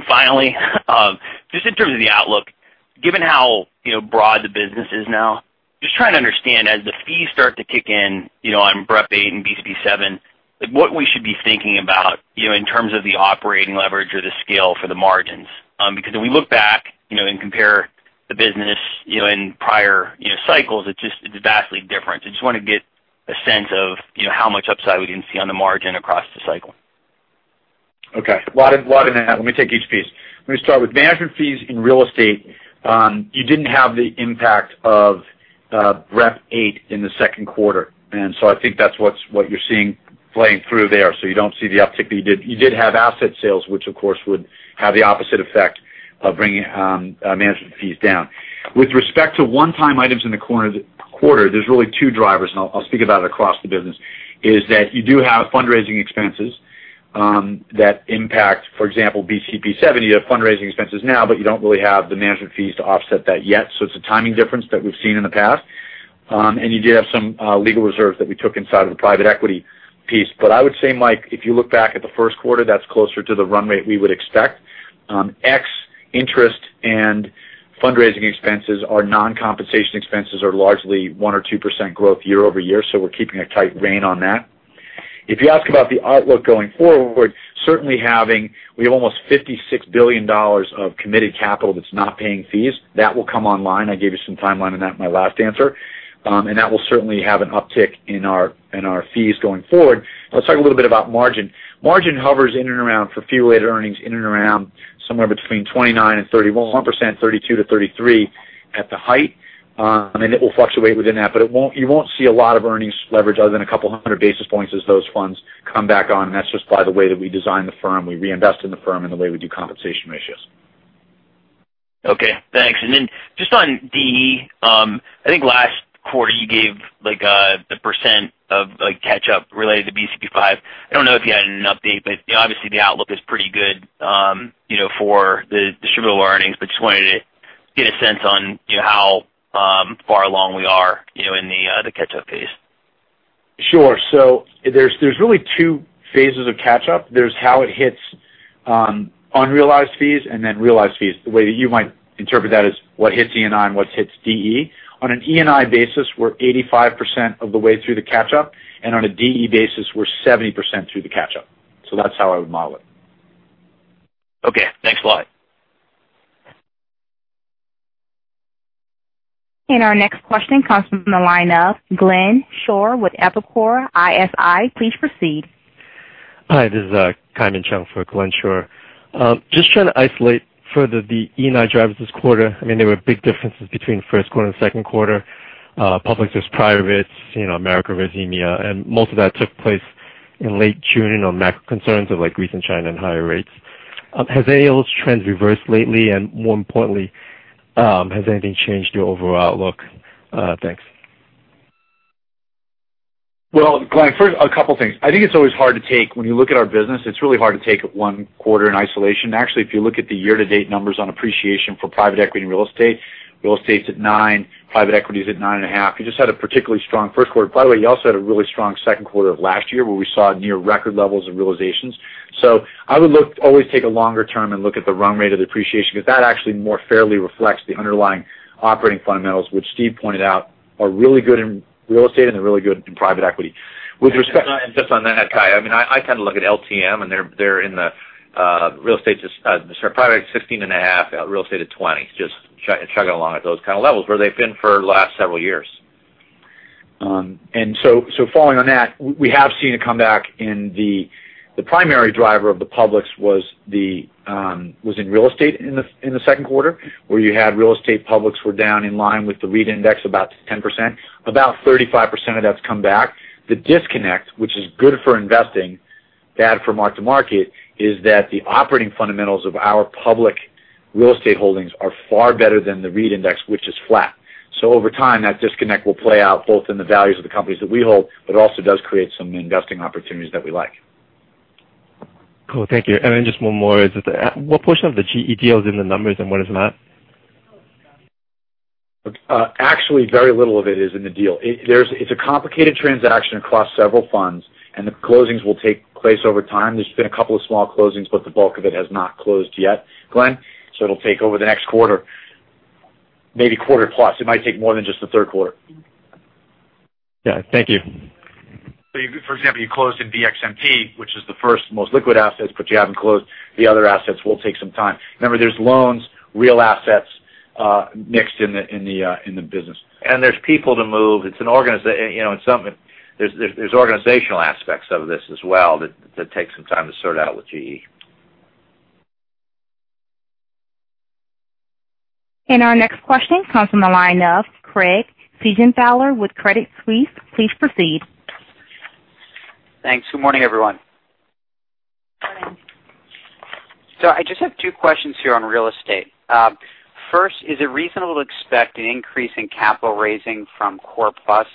Finally, just in terms of the outlook, given how broad the business is now, just trying to understand as the fees start to kick in on BREP 8 and BCP 7, like what we should be thinking about in terms of the operating leverage or the scale for the margins. Because when we look back and compare the business in prior cycles, it's vastly different. I just want to get a sense of how much upside we can see on the margin across the cycle. Okay. A lot in that. Let me take each piece. Let me start with management fees in real estate. You didn't have the impact of BREP 8 in the second quarter, and so I think that's what you're seeing playing through there. You don't see the uptick. You did have asset sales, which of course, would have the opposite effect of bringing management fees down. With respect to one-time items in the quarter, there's really two drivers, and I'll speak about it across the business, is that you do have fundraising expenses that impact, for example, BCP 7. You have fundraising expenses now, but you don't really have the management fees to offset that yet. It's a timing difference that we've seen in the past. You did have some legal reserves that we took inside of the private equity piece. I would say, Mike, if you look back at the first quarter, that's closer to the run rate we would expect. Ex-interest and fundraising expenses, our non-compensation expenses are largely 1% or 2% growth year-over-year. We're keeping a tight rein on that. If you ask about the outlook going forward, certainly having, we have almost $56 billion of committed capital that's not paying fees. That will come online. I gave you some timeline on that in my last answer. That will certainly have an uptick in our fees going forward. Let's talk a little bit about margin. Margin hovers in and around for fee-related earnings in and around somewhere between 29%-31%, 32%-33% at the height. It will fluctuate within that, but you won't see a lot of earnings leverage other than a couple hundred basis points as those funds come back on. That's just by the way that we design the firm. We reinvest in the firm and the way we do compensation ratios. Okay, thanks. Just on DE. I think last quarter you gave the % of catch-up related to BCP V. I don't know if you had an update, but obviously the outlook is pretty good for the distributable earnings, but just wanted to get a sense on how far along we are in the catch-up phase. Sure. There's really two phases of catch-up. There's how it hits unrealized fees and then realized fees. The way that you might interpret that is what hits ENI and what hits DE. On an ENI basis, we're 85% of the way through the catch-up, and on a DE basis, we're 70% through the catch-up. That's how I would model it. Okay, thanks a lot. Our next question comes from the line of Glenn Schorr with Evercore ISI. Please proceed. Hi, this is Kaimon Chung for Glenn Schorr. Just trying to isolate further the ENI drivers this quarter. There were big differences between first quarter and second quarter. Public versus private, America versus EMEA, most of that took place in late June on macro concerns of recent China and higher rates. Have any of those trends reversed lately? More importantly, has anything changed your overall outlook? Thanks. Well, Glenn, first, a couple of things. When you look at our business, it's really hard to take it one quarter in isolation. Actually, if you look at the year-to-date numbers on appreciation for private equity and real estate, real estate's at nine, private equity is at nine and a half. You just had a particularly strong first quarter. By the way, you also had a really strong second quarter of last year where we saw near record levels of realizations. I would always take a longer term and look at the run rate of the appreciation because that actually more fairly reflects the underlying operating fundamentals, which Steve pointed out are really good in real estate and they're really good in private equity. Just on that, Kai, I look at LTM, they're in the real estate-- sorry, private at 16.5, real estate at 20. Just chugging along at those kind of levels where they've been for the last several years. Following on that, we have seen a comeback in the-- the primary driver of the publics was in real estate in the second quarter, where you had real estate publics were down in line with the REIT index about 10%. About 35% of that's come back. The disconnect, which is good for investing, bad for mark-to-market, is that the operating fundamentals of our public real estate holdings are far better than the REIT index, which is flat. Over time, that disconnect will play out both in the values of the companies that we hold, but also does create some investing opportunities that we like. Cool. Thank you. Just one more. What portion of the GE deal is in the numbers and what is not? Actually, very little of it is in the deal. It's a complicated transaction across several funds, the closings will take place over time. There's been a couple of small closings, the bulk of it has not closed yet, Glenn. It'll take over the next quarter, maybe quarter plus. It might take more than just the third quarter. Yeah. Thank you. For example, you closed in BXMT, which is the first most liquid assets, but you haven't closed. The other assets will take some time. Remember, there's loans, real assets mixed in the business. There's people to move. There's organizational aspects of this as well that take some time to sort out with GE. Our next question comes from the line of Craig Siegenthaler with Credit Suisse. Please proceed. Thanks. Good morning, everyone. Morning. I just have two questions here on real estate. First, is it reasonable to expect an increase in capital raising from Core Plus,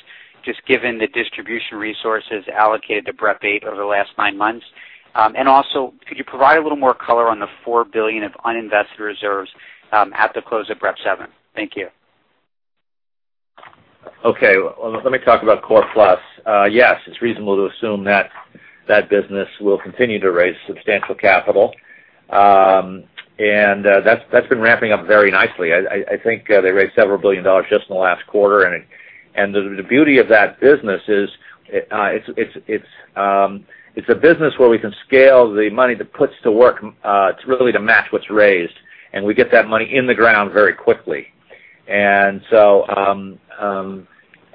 just given the distribution resources allocated to BREP VIII over the last nine months? Also, could you provide a little more color on the $4 billion of uninvested reserves at the close of BREP VII? Thank you. Okay. Let me talk about Core Plus. Yes, it's reasonable to assume that that business will continue to raise substantial capital. That's been ramping up very nicely. I think they raised several billion dollars just in the last quarter. The beauty of that business is it's a business where we can scale the money to puts to work to really match what's raised. We get that money in the ground very quickly. We're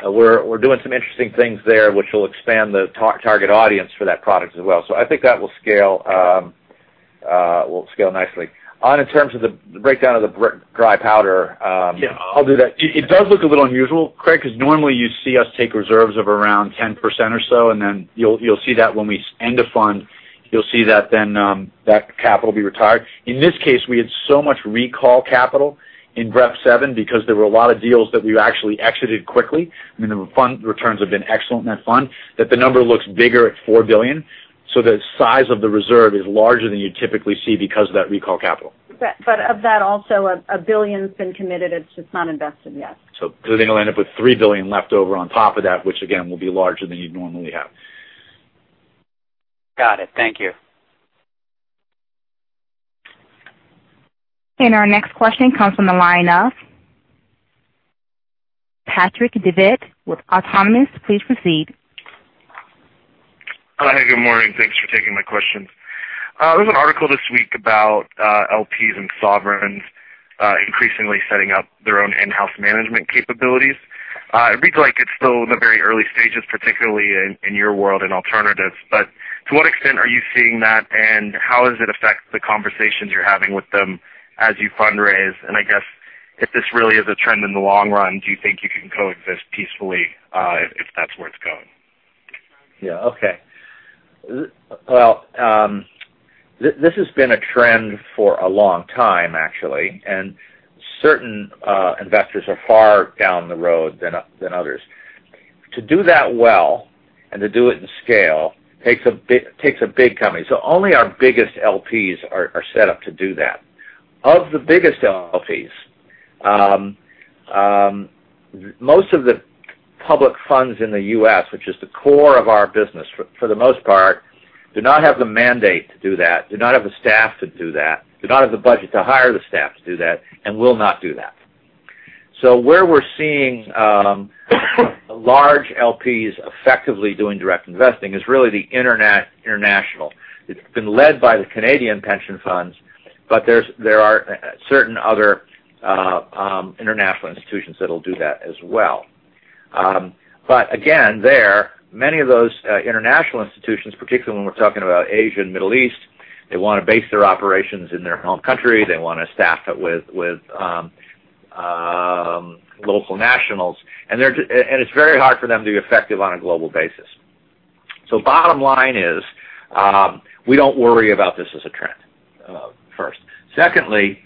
doing some interesting things there which will expand the target audience for that product as well. I think that will scale nicely. In terms of the breakdown of the dry powder- Yeah, I'll do that. It does look a little unusual, Craig, because normally you see us take reserves of around 10% or so, then you'll see that when we end a fund. You'll see that then that capital will be retired. In this case, we had so much recall capital in BREP VII because there were a lot of deals that we actually exited quickly. I mean, the fund returns have been excellent in that fund, that the number looks bigger at $4 billion. The size of the reserve is larger than you typically see because of that recall capital. Of that also, $1 billion's been committed. It's just not invested yet. They're going to end up with $3 billion left over on top of that, which again, will be larger than you'd normally have. Got it. Thank you. Our next question comes from the line of Patrick Davitt with Autonomous Research. Please proceed. Hi. Good morning. Thanks for taking my questions. There was an article this week about LPs and sovereigns increasingly setting up their own in-house management capabilities. It reads like it's still in the very early stages, particularly in your world, in alternatives. To what extent are you seeing that, and how does it affect the conversations you're having with them as you fundraise? I guess if this really is a trend in the long run, do you think you can coexist peacefully if that's where it's going? Well, this has been a trend for a long time, actually, and certain investors are far down the road than others. To do that well and to do it in scale takes a big company. Only our biggest LPs are set up to do that. Of the biggest LPs, most of the public funds in the U.S., which is the core of our business for the most part, do not have the mandate to do that, do not have the staff to do that, do not have the budget to hire the staff to do that, and will not do that. Where we're seeing large LPs effectively doing direct investing is really the international. It's been led by the Canadian pension funds, but there are certain other international institutions that'll do that as well. Again, there, many of those international institutions, particularly when we're talking about Asia and Middle East, they want to base their operations in their home country. They want to staff it with local nationals. It's very hard for them to be effective on a global basis. Bottom line is, we don't worry about this as a trend, first. Secondly,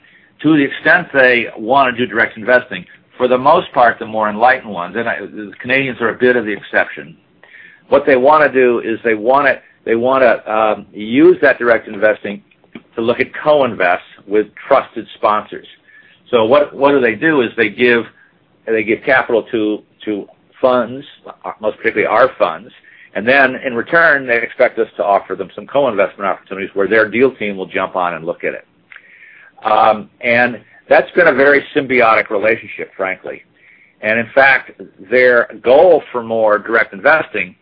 to the extent they want to do direct investing, for the most part, the more enlightened ones, and the Canadians are a bit of the exception. What they want to do is they want to use that direct investing to look at co-invest with trusted sponsors. What they do is they give capital to funds, most particularly our funds, and then in return, they expect us to offer them some co-investment opportunities where their deal team will jump on and look at it. That's been a very symbiotic relationship, frankly. In fact, their goal for more direct investing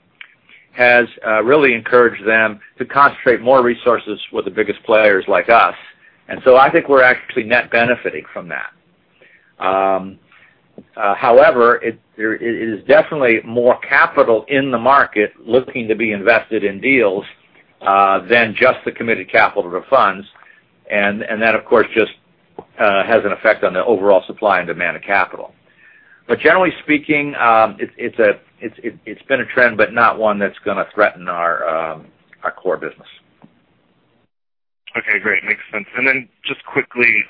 has really encouraged them to concentrate more resources with the biggest players like us. I think we're actually net benefiting from that. However, it is definitely more capital in the market looking to be invested in deals, than just the committed capital to the funds. Generally speaking, it's been a trend, but not one that's going to threaten our core business. Okay, great. Makes sense. Just quickly,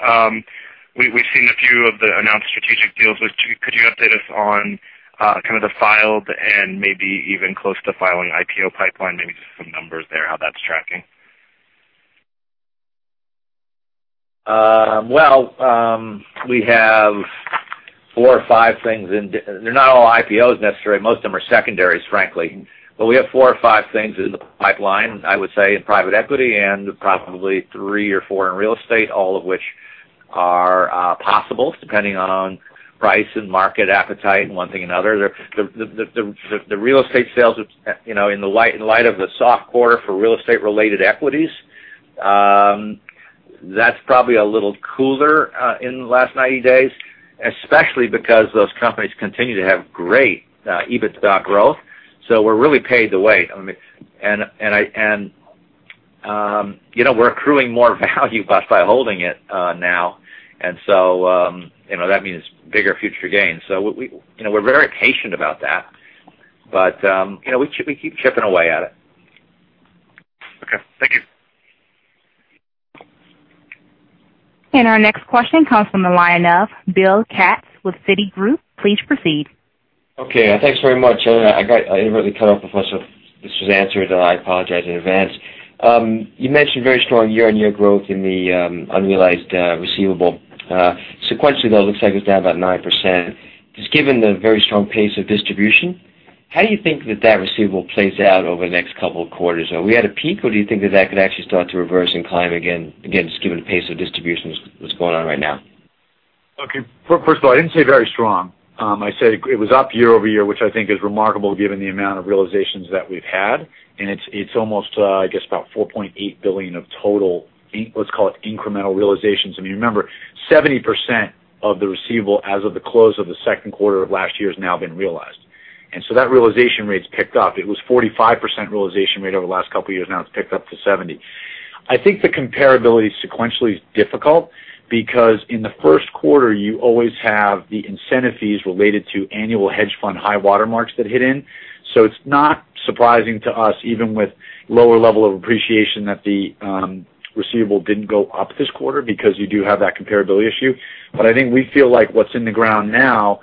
we've seen a few of the announced strategic deals. Could you update us on kind of the filed and maybe even close to filing IPO pipeline, maybe just some numbers there, how that's tracking? Well, we have four or five things in-- They're not all IPOs necessarily. Most of them are secondaries, frankly. We have four or five things in the pipeline, I would say, in private equity and probably three or four in real estate, all of which are possibles, depending on price and market appetite and one thing or another. The real estate sales, in light of the soft quarter for real estate-related equities, that's probably a little cooler in the last 90 days, especially because those companies continue to have great EBITDA growth. We're really paid to wait. We're accruing more value by holding it now. That means bigger future gains. We're very patient about that, but we keep chipping away at it. Okay. Thank you. Our next question comes from the line of Bill Katz with Citigroup. Please proceed. Okay. Thanks very much. I got inadvertently cut off before this was answered, I apologize in advance. You mentioned very strong year-on-year growth in the unrealized receivable. Sequentially, though, it looks like it's down about 9%. Just given the very strong pace of distribution, how do you think that that receivable plays out over the next couple of quarters? Are we at a peak, or do you think that that could actually start to reverse and climb again, just given the pace of distribution that's going on right now? Okay. First of all, I didn't say very strong. I said it was up year-over-year, which I think is remarkable given the amount of realizations that we've had. It's almost, I guess about $4.8 billion of total, let's call it incremental realizations. I mean, remember, 70% of the receivable as of the close of the second quarter of last year has now been realized. That realization rate's picked up. It was 45% realization rate over the last couple of years. Now it's picked up to 70%. I think the comparability sequentially is difficult because in the first quarter you always have the incentive fees related to annual hedge fund high water marks that hit in. It's not surprising to us, even with lower level of appreciation that the receivable didn't go up this quarter because you do have that comparability issue. I think we feel like what's in the ground now,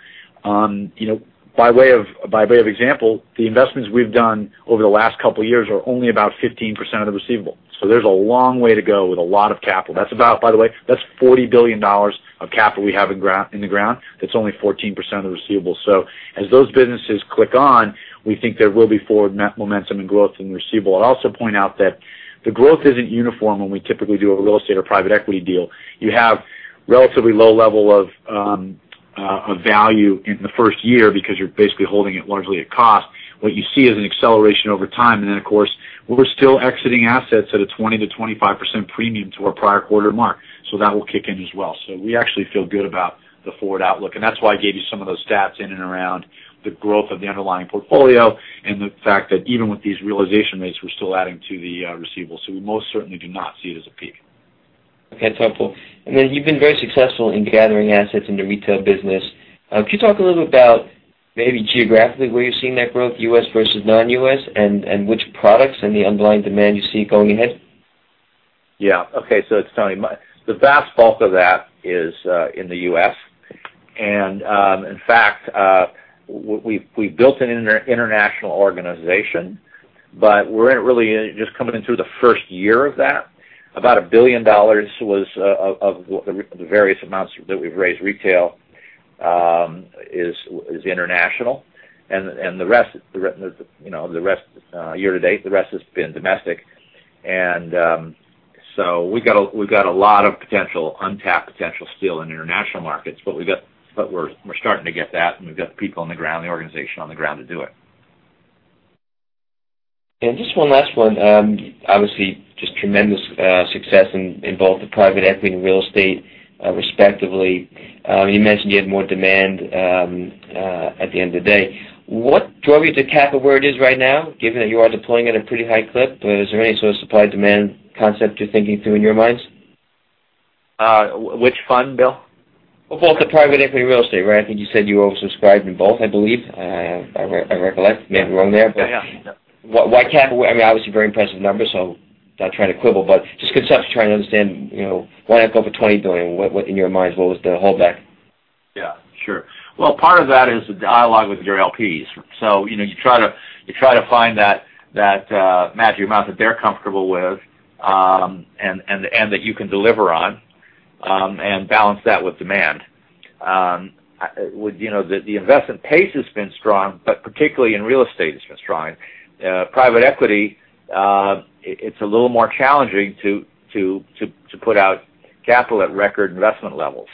by way of example, the investments we've done over the last couple of years are only about 15% of the receivable. There's a long way to go with a lot of capital. By the way, that's $40 billion of capital we have in the ground. That's only 14% of the receivable. As those businesses click on, we think there will be forward momentum and growth in the receivable. I'd also point out that the growth isn't uniform when we typically do a real estate or private equity deal. You have relatively low level of value in the first year because you're basically holding it largely at cost. What you see is an acceleration over time. Of course, we're still exiting assets at a 20%-25% premium to our prior quarter mark. That will kick in as well. We actually feel good about the forward outlook, and that's why I gave you some of those stats in and around the growth of the underlying portfolio and the fact that even with these realization rates, we're still adding to the receivables. We most certainly do not see it as a peak. Okay. It's helpful. You've been very successful in gathering assets in the retail business. Could you talk a little bit about maybe geographically where you're seeing that growth, U.S. versus non-U.S., and which products and the underlying demand you see going ahead? Yeah. Okay. It's Tony. The vast bulk of that is in the U.S. In fact, we've built an international organization, we're really just coming into the first year of that. About $1 billion of the various amounts that we've raised retail is international. Year to date, the rest has been domestic. We've got a lot of untapped potential still in international markets, we're starting to get that, and we've got the people on the ground, the organization on the ground to do it. Just one last one. Obviously, just tremendous success in both the private equity and real estate, respectively. You mentioned you had more demand at the end of the day. What drove you to cap it where it is right now, given that you are deploying at a pretty high clip? Is there any sort of supply-demand concept you're thinking through in your minds? Which fund, Bill? Well, both the private equity and real estate, right? I think you said you oversubscribed in both, I believe. I recollect. May be wrong there. Yeah. Why cap? Obviously, very impressive numbers, not trying to quibble, just conceptually trying to understand why not go for $20 billion? In your minds, what was the holdback? Yeah, sure. Well, part of that is the dialogue with your LPs. You try to find that magic amount that they're comfortable with, that you can deliver on, and balance that with demand. The investment pace has been strong, particularly in real estate, it's been strong. Private equity, it's a little more challenging to put out capital at record investment levels.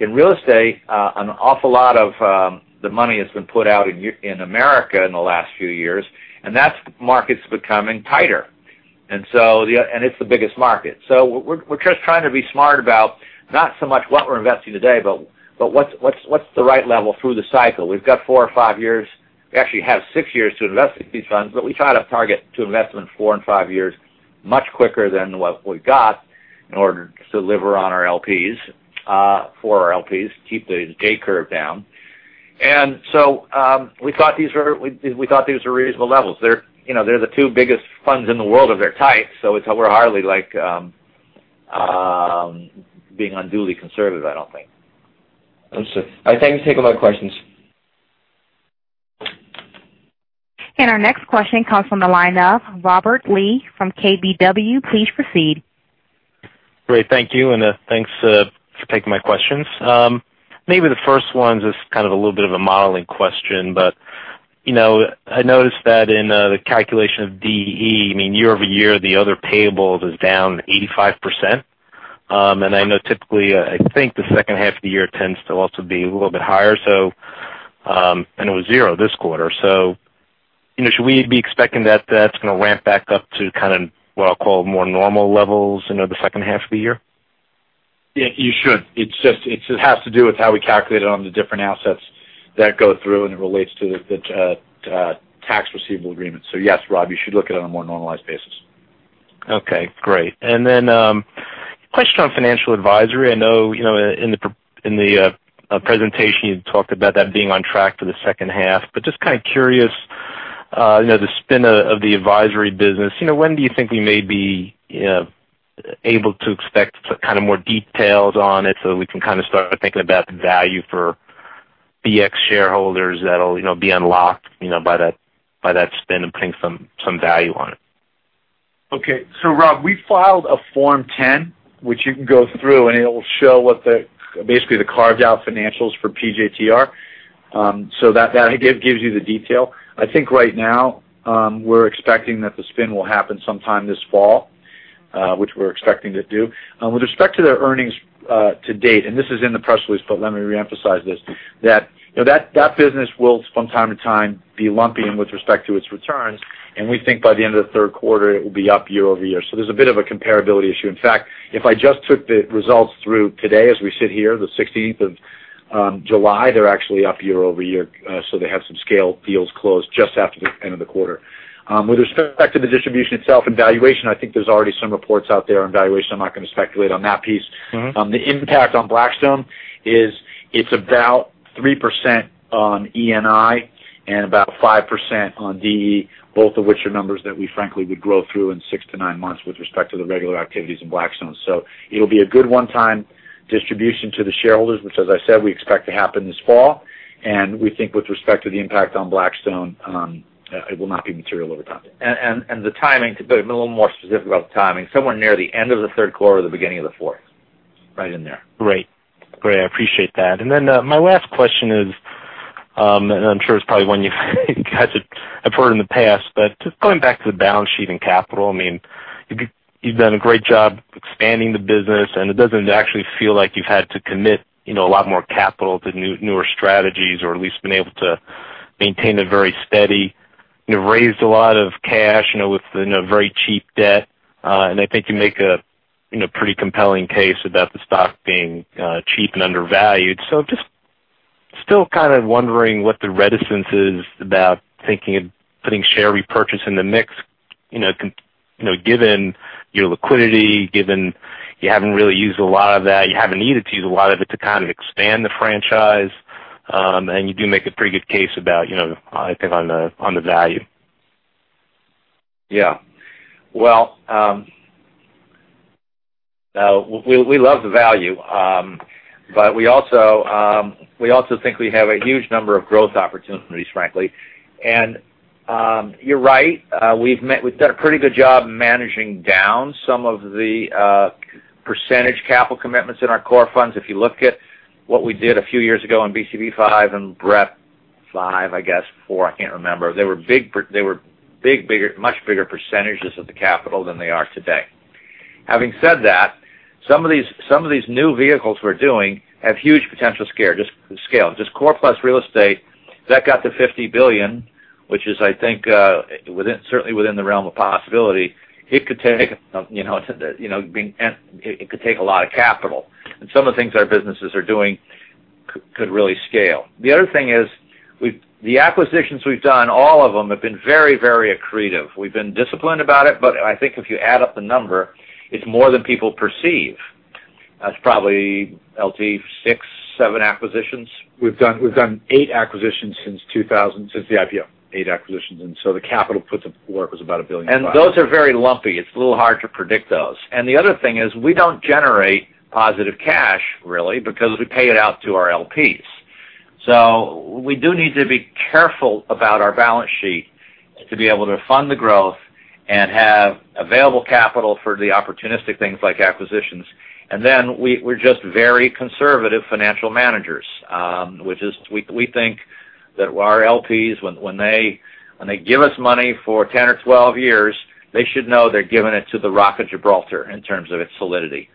In real estate, an awful lot of the money that's been put out in America in the last few years, that market's becoming tighter. It's the biggest market. We're just trying to be smart about not so much what we're investing today, but what's the right level through the cycle. We've got four or five years. We actually have six years to invest in these funds, but we try to target to invest them in four and five years, much quicker than what we've got in order to deliver on our LPs, for our LPs, keep the J curve down. We thought these were reasonable levels. They're the two biggest funds in the world of their type, we're hardly being unduly conservative, I don't think. Understood. All right, thanks for taking my questions. Our next question comes from the line of Robert Lee from KBW. Please proceed. Great. Thank you, and thanks for taking my questions. Maybe the first one's just kind of a little bit of a modeling question, but I noticed that in the calculation of DE, year-over-year, the other payables is down 85%. I know typically, I think the second half of the year tends to also be a little bit higher. It was zero this quarter. Should we be expecting that that's going to ramp back up to what I'll call more normal levels in the second half of the year? You should. It just has to do with how we calculate it on the different assets that go through, and it relates to the tax receivable agreement. Yes, Rob, you should look at it on a more normalized basis. Okay, great. A question on financial advisory. I know in the presentation, you talked about that being on track for the second half. Just kind of curious, the spin of the advisory business. When do you think we may be able to expect more details on it so that we can start thinking about the value for BX shareholders that'll be unlocked by that spin and putting some value on it? Okay, Rob, we filed a Form 10, which you can go through, and it will show basically the carved-out financials for PJT are. That gives you the detail. I think right now, we're expecting that the spin will happen sometime this fall, which we're expecting to do. With respect to their earnings to date, and this is in the press release, but let me reemphasize this, that business will, from time to time, be lumpy with respect to its returns. We think by the end of the third quarter, it will be up year-over-year. There's a bit of a comparability issue. In fact, if I just took the results through today as we sit here, the 16th of July, they're actually up year-over-year. They have some scale deals closed just after the end of the quarter. With respect to the distribution itself and valuation, I think there's already some reports out there on valuation. I'm not going to speculate on that piece. The impact on Blackstone is it's about 3% on ENI and about 5% on DE, both of which are numbers that we frankly would grow through in 6 to 9 months with respect to the regular activities in Blackstone. It'll be a good one-time distribution to the shareholders, which as I said, we expect to happen this fall. We think with respect to the impact on Blackstone, it will not be material over time. To be a little more specific about the timing, somewhere near the end of the third quarter or the beginning of the fourth. Right in there. Great. I appreciate that. My last question is, and I'm sure it's probably one you've heard in the past, but just going back to the balance sheet and capital. You've done a great job expanding the business, and it doesn't actually feel like you've had to commit a lot more capital to newer strategies or at least been able to maintain a very steady. You've raised a lot of cash with very cheap debt. I think you make a pretty compelling case about the stock being cheap and undervalued. Just still kind of wondering what the reticence is about thinking of putting share repurchase in the mix, given your liquidity, given you haven't really used a lot of that, you haven't needed to use a lot of it to kind of expand the franchise. You do make a pretty good case about, I think, on the value. Yeah. Well, we love the value. We also think we have a huge number of growth opportunities, frankly. You're right. We've done a pretty good job managing down some of the percentage capital commitments in our core funds. If you look at what we did a few years ago on BCP V and BREP V, I guess, four, I can't remember. They were much bigger percentages of the capital than they are today. Having said that, some of these new vehicles we're doing have huge potential scale. Just Core Plus real estate, that got to $50 billion, which is, I think, certainly within the realm of possibility. It could take a lot of capital. Some of the things our businesses are doing could really scale. The other thing is, the acquisitions we've done, all of them have been very accretive. We've been disciplined about it, but I think if you add up the number, it's more than people perceive. That's probably, LT, six, seven acquisitions? We've done eight acquisitions since the IPO. Eight acquisitions, the capital put to work was about $1 billion and $5. Those are very lumpy. It's a little hard to predict those. The other thing is, we don't generate positive cash, really, because we pay it out to our LPs. We do need to be careful about our balance sheet to be able to fund the growth and have available capital for the opportunistic things like acquisitions. We're just very conservative financial managers. We think that our LPs, when they give us money for 10 or 12 years, they should know they're giving it to the Rock of Gibraltar in terms of its solidity.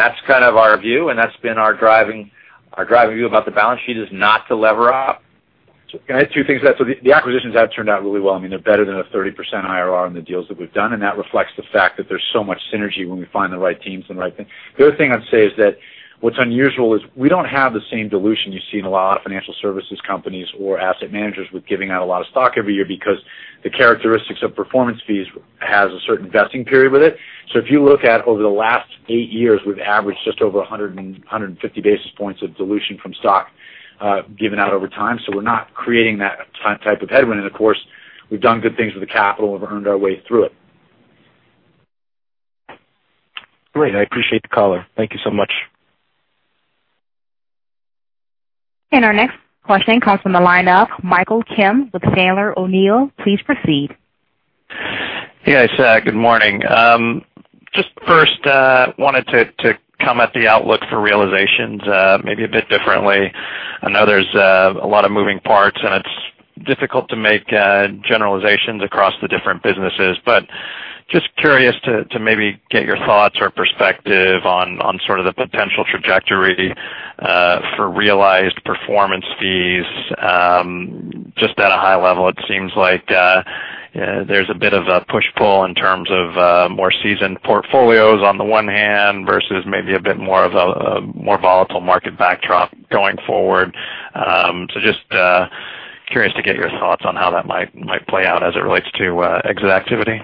That's kind of our view, and that's been our driving view about the balance sheet, is not to lever up. Can I add two things to that? The acquisitions have turned out really well. They're better than a 30% IRR on the deals that we've done, and that reflects the fact that there's so much synergy when we find the right teams and the right thing. The other thing I'd say is that what's unusual is we don't have the same dilution you see in a lot of financial services companies or asset managers with giving out a lot of stock every year because the characteristics of performance fees has a certain vesting period with it. If you look at over the last eight years, we've averaged just over 150 basis points of dilution from stock given out over time. We're not creating that type of headwind. Of course, we've done good things with the capital and we've earned our way through it. Great. I appreciate the color. Thank you so much. Our next question comes from the line of Michael Kim with Sandler O'Neill. Please proceed. Yes. Good morning. First, wanted to come at the outlook for realizations maybe a bit differently. I know there's a lot of moving parts, and it's difficult to make generalizations across the different businesses. Just curious to maybe get your thoughts or perspective on sort of the potential trajectory for realized performance fees. At a high level, it seems like there's a bit of a push-pull in terms of more seasoned portfolios on the one hand, versus maybe a bit more of a more volatile market backdrop going forward. Just curious to get your thoughts on how that might play out as it relates to exit activity.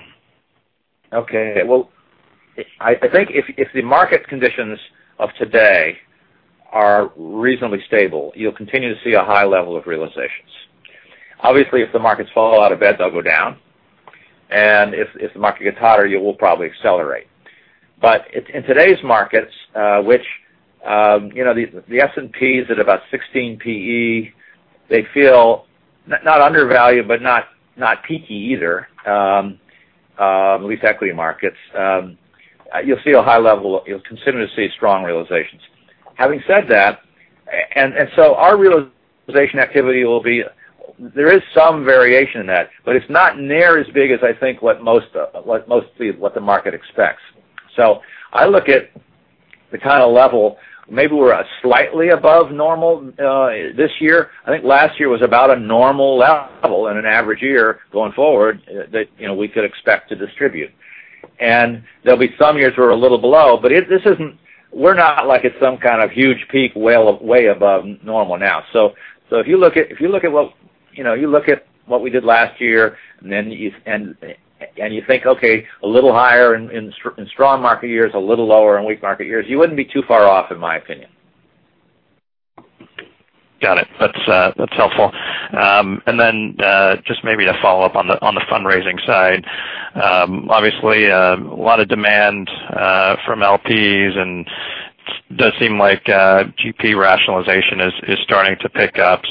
Okay. Well, I think if the market conditions of today are reasonably stable, you'll continue to see a high level of realizations. Obviously, if the markets fall out of bed, they'll go down. If the market gets hotter, you will probably accelerate. In today's markets, which the S&P is at about 16 PE, they feel not undervalued, but not peaky either, at least equity markets. You'll continue to see strong realizations. Having said that, Our realization activity, there is some variation in that, but it's not near as big as I think what the market expects. I look at the kind of level, maybe we're slightly above normal this year. I think last year was about a normal level and an average year going forward that we could expect to distribute. There'll be some years we're a little below, but we're not like it's some kind of huge peak way above normal now. If you look at what we did last year and you think, okay, a little higher in strong market years, a little lower in weak market years, you wouldn't be too far off, in my opinion. Got it. That's helpful. Then, maybe to follow up on the fundraising side. Obviously, a lot of demand from LPs, and does seem like GP rationalization is starting to pick up.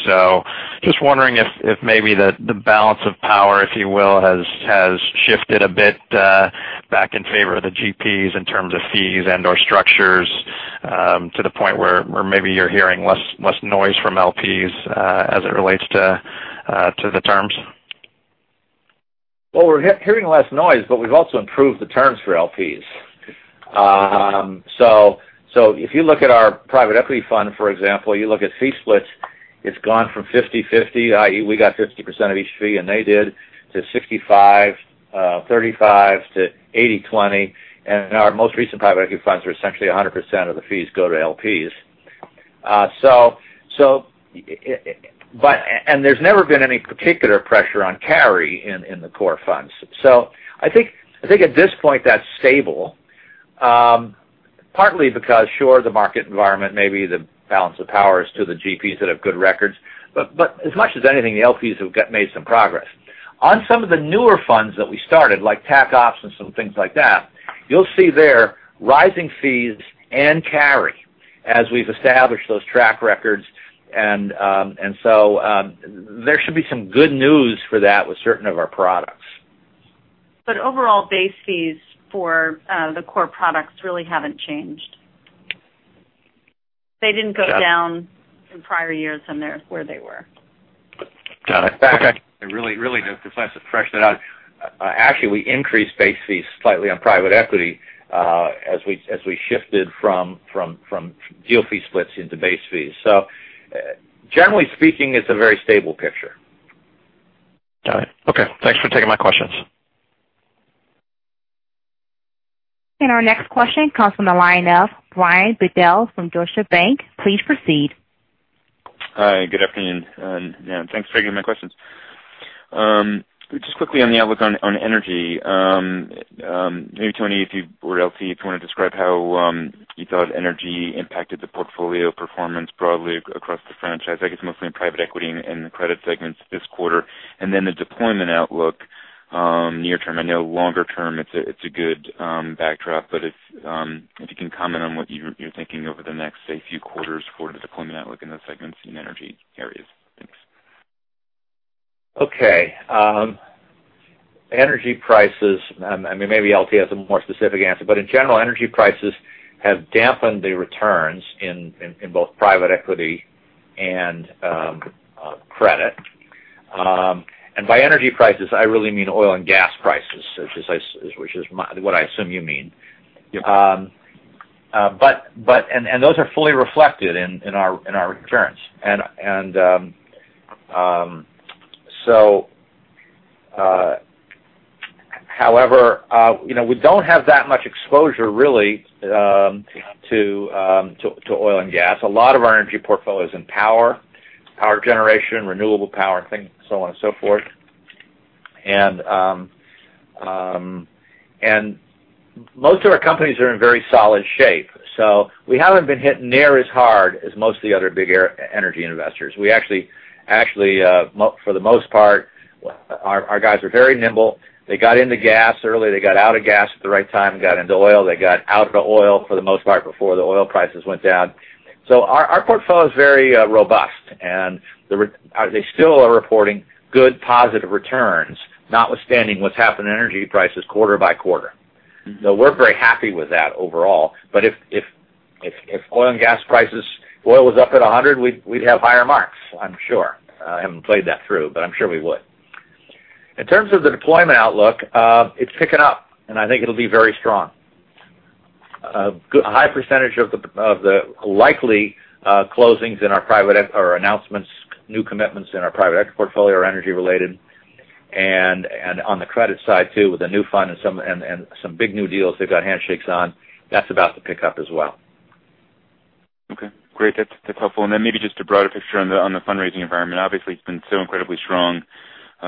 Just wondering if maybe the balance of power, if you will, has shifted a bit back in favor of the GPs in terms of fees and/or structures to the point where maybe you're hearing less noise from LPs as it relates to the terms. We're hearing less noise, but we've also improved the terms for LPs. If you look at our private equity fund, for example, you look at fee splits, it's gone from 50/50, i.e., we got 50% of each fee and they did, to 65/35, to 80/20. Our most recent private equity funds are essentially 100% of the fees go to LPs. There's never been any particular pressure on carry in the core funds. I think at this point, that's stable. Partly because, sure, the market environment, maybe the balance of power is to the GPs that have good records. As much as anything, the LPs have made some progress. On some of the newer funds that we started, like Tactical Opportunities and some things like that, you'll see there rising fees and carry as we've established those track records. There should be some good news for that with certain of our products. Overall base fees for the core products really haven't changed. They didn't go down in prior years from where they were. Got it. Okay. Really to flesh that out, actually, we increased base fees slightly on private equity as we shifted from deal fee splits into base fees. Generally speaking, it's a very stable picture. Got it. Okay. Thanks for taking my questions. Our next question comes from the line of Brian Bedell from Deutsche Bank. Please proceed. Hi. Good afternoon, and thanks for taking my questions. Just quickly on the outlook on energy. Maybe Tony or LT, if you want to describe how you thought energy impacted the portfolio performance broadly across the franchise. I guess mostly in private equity and the credit segments this quarter, and then the deployment outlook near-term. I know longer-term it's a good backdrop, but if you can comment on what you're thinking over the next, say, few quarters for the deployment outlook in the segments in energy areas. Thanks. Okay. Energy prices, maybe LT has a more specific answer, but in general, energy prices have dampened the returns in both private equity and credit. By energy prices, I really mean oil and gas prices, which is what I assume you mean. Yep. Those are fully reflected in our returns. However, we don't have that much exposure really to oil and gas. A lot of our energy portfolio is in power generation, renewable power, so on and so forth. Most of our companies are in very solid shape. We haven't been hit near as hard as most of the other big energy investors. Actually, for the most part, our guys are very nimble. They got into gas early. They got out of gas at the right time and got into oil. They got out of oil for the most part before the oil prices went down. Our portfolio is very robust, and they still are reporting good, positive returns, notwithstanding what's happened in energy prices quarter by quarter. We're very happy with that overall. If oil and gas prices, oil was up at $100, we'd have higher marks, I'm sure. I haven't played that through, but I'm sure we would. In terms of the deployment outlook, it's picking up, and I think it'll be very strong. A high percentage of the likely closings in our private equity portfolio are energy-related. On the credit side too, with the new fund and some big new deals they've got handshakes on, that's about to pick up as well. Okay. Great. That's helpful. Maybe just a broader picture on the fundraising environment. Obviously, it's been so incredibly strong.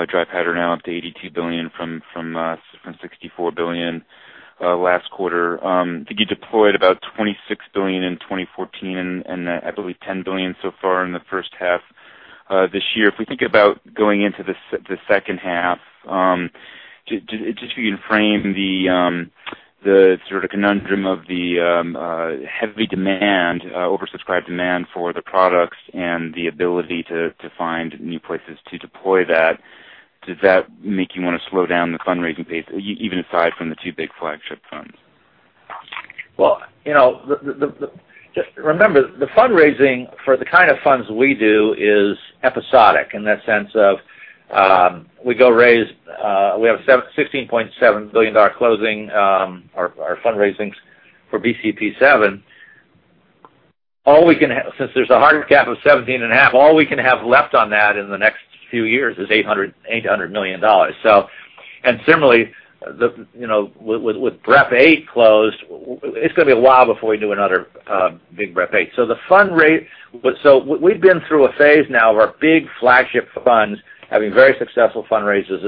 Dry powder now up to $82 billion from $64 billion last quarter. I think you deployed about $26 billion in 2014, and I believe $10 billion so far in the first half this year. If we think about going into the second half, just for you to frame the sort of conundrum of the heavy demand, oversubscribed demand for the products and the ability to find new places to deploy that, does that make you want to slow down the fundraising pace, even aside from the two big flagship funds? Well, remember, the fundraising for the kind of funds we do is episodic in that sense of, we have a $16.7 billion closing, our fundraisings for BCP7. Since there's a hard cap of 17 and a half, all we can have left on that in the next few years is $800 million. Similarly, with BREP 8 closed, it's going to be a while before we do another big BREP 8. We've been through a phase now of our big flagship funds having very successful fundraisers.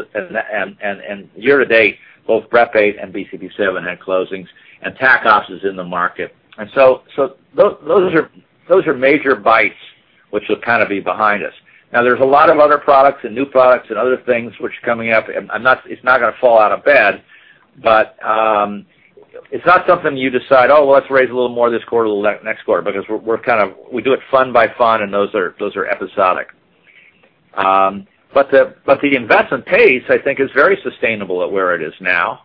Year to date, both BREP 8 and BCP7 had closings, and Tacos is in the market. Those are major bites, which will kind of be behind us. Now, there's a lot of other products and new products and other things which are coming up, it's not going to fall out of bed, it's not something you decide, "Oh, well, let's raise a little more this quarter or the next quarter," because we do it fund by fund, those are episodic. The investment pace, I think, is very sustainable at where it is now.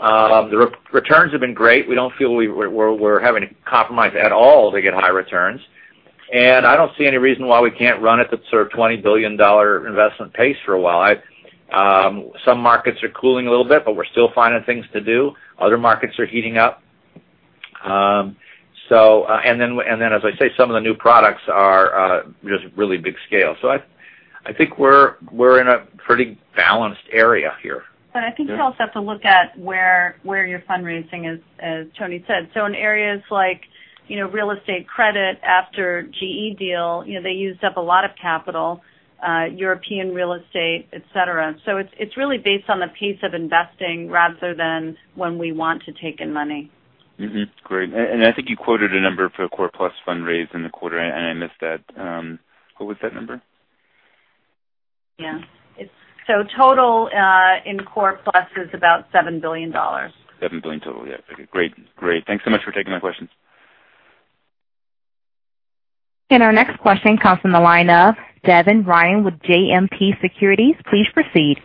The returns have been great. We don't feel we're having to compromise at all to get high returns. I don't see any reason why we can't run at the sort of $20 billion investment pace for a while. Some markets are cooling a little bit, we're still finding things to do. Other markets are heating up. As I say, some of the new products are just really big scale. I think we're in a pretty balanced area here. I think you also have to look at where you're fundraising, as Tony said. In areas like real estate credit after GE deal, they used up a lot of capital, European real estate, et cetera. It's really based on the pace of investing rather than when we want to take in money. Great. I think you quoted a number for the Core Plus fund raised in the quarter, I missed that. What was that number? Total in Core Plus is about $7 billion. $7 billion total. Great. Thanks so much for taking my questions. Our next question comes from the line of Devin Ryan with JMP Securities. Please proceed.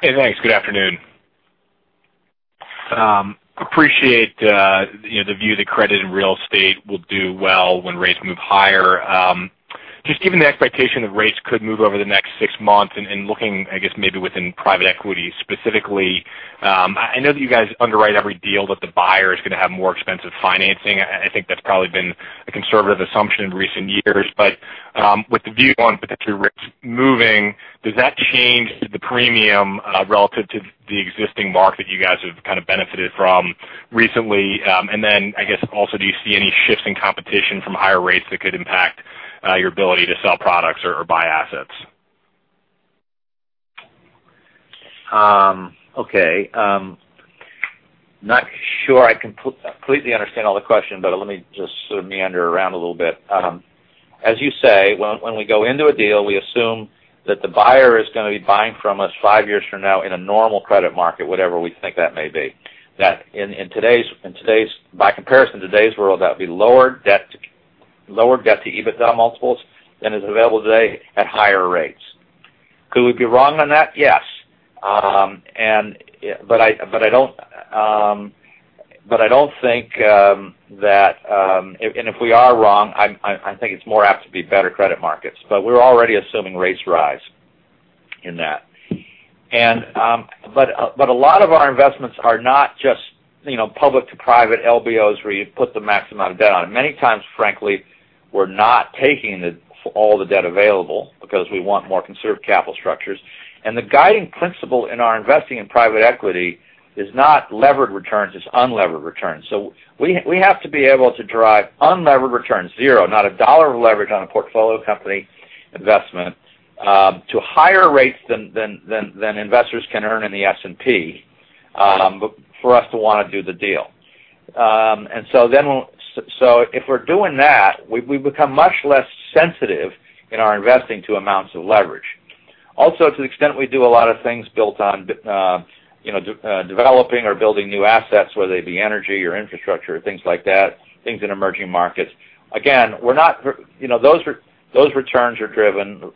Hey, thanks. Good afternoon. Appreciate the view that credit and real estate will do well when rates move higher. Just given the expectation that rates could move over the next six months and looking, I guess maybe within private equity specifically, I know that you guys underwrite every deal that the buyer is going to have more expensive financing. I think that's probably been a conservative assumption in recent years. With the view on potentially rates moving, does that change the premium, relative to the existing mark that you guys have kind of benefited from recently? Then, I guess also, do you see any shifts in competition from higher rates that could impact your ability to sell products or buy assets? Okay. Not sure I completely understand all the question, let me just sort of meander around a little bit. As you say, when we go into a deal, we assume that the buyer is going to be buying from us five years from now in a normal credit market, whatever we think that may be. By comparison, in today's world, that'd be lower debt-to-EBITDA multiples than is available today at higher rates. Could we be wrong on that? Yes. I don't think that if we are wrong, I think it's more apt to be better credit markets. We're already assuming rates rise in that. A lot of our investments are not just public-to-private LBOs where you put the max amount of debt on. Many times, frankly, we're not taking all the debt available because we want more conservative capital structures. The guiding principle in our investing in private equity is not levered returns, it's unlevered returns. We have to be able to drive unlevered returns, zero, not a dollar of leverage on a portfolio company investment, to higher rates than investors can earn in the S&P, for us to want to do the deal. If we're doing that, we become much less sensitive in our investing to amounts of leverage. Also, to the extent we do a lot of things built on developing or building new assets, whether they be energy or infrastructure, things like that, things in emerging markets. Again, those returns are driven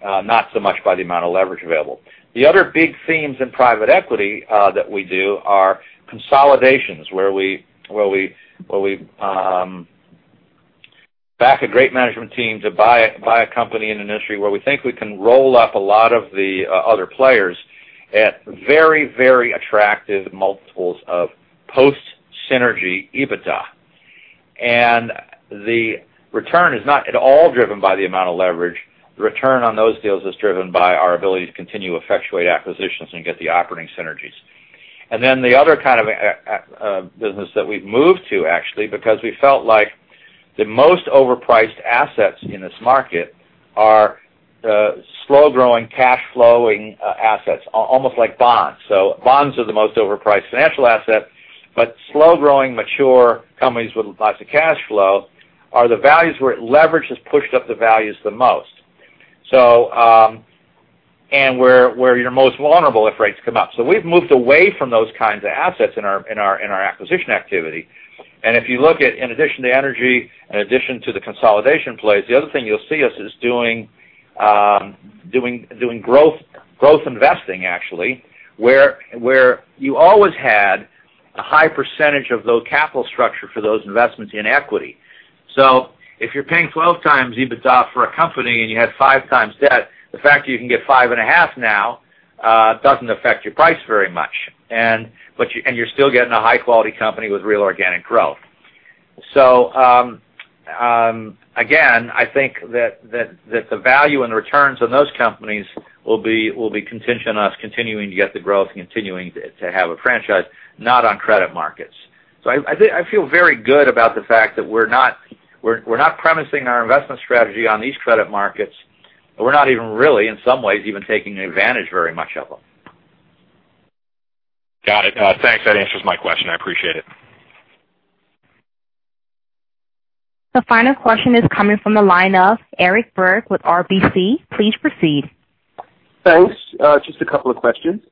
not so much by the amount of leverage available. The other big themes in private equity that we do are consolidations, where we back a great management team to buy a company in an industry where we think we can roll up a lot of the other players at very, very attractive multiples of post-synergy EBITDA. The return is not at all driven by the amount of leverage. The return on those deals is driven by our ability to continue to effectuate acquisitions and get the operating synergies. Then the other kind of business that we've moved to, actually, because we felt like the most overpriced assets in this market are slow-growing, cash-flowing assets, almost like bonds. Bonds are the most overpriced financial asset, but slow-growing, mature companies with lots of cash flow are the values where leverage has pushed up the values the most, and where you're most vulnerable if rates come up. We've moved away from those kinds of assets in our acquisition activity. If you look at, in addition to energy, in addition to the consolidation plays, the other thing you'll see us is doing growth investing, actually, where you always had a high percentage of those capital structure for those investments in equity. If you're paying 12x EBITDA for a company and you had 5x debt, the fact that you can get 5.5 now, doesn't affect your price very much. You're still getting a high-quality company with real organic growth. Again, I think that the value and returns on those companies will be contingent on us continuing to get the growth, continuing to have a franchise, not on credit markets. I feel very good about the fact that we're not premising our investment strategy on these credit markets. We're not even really, in some ways, even taking advantage very much of them. Got it. Thanks. That answers my question. I appreciate it. The final question is coming from the line of Eric Berg with RBC. Please proceed. Thanks. Just a couple of questions.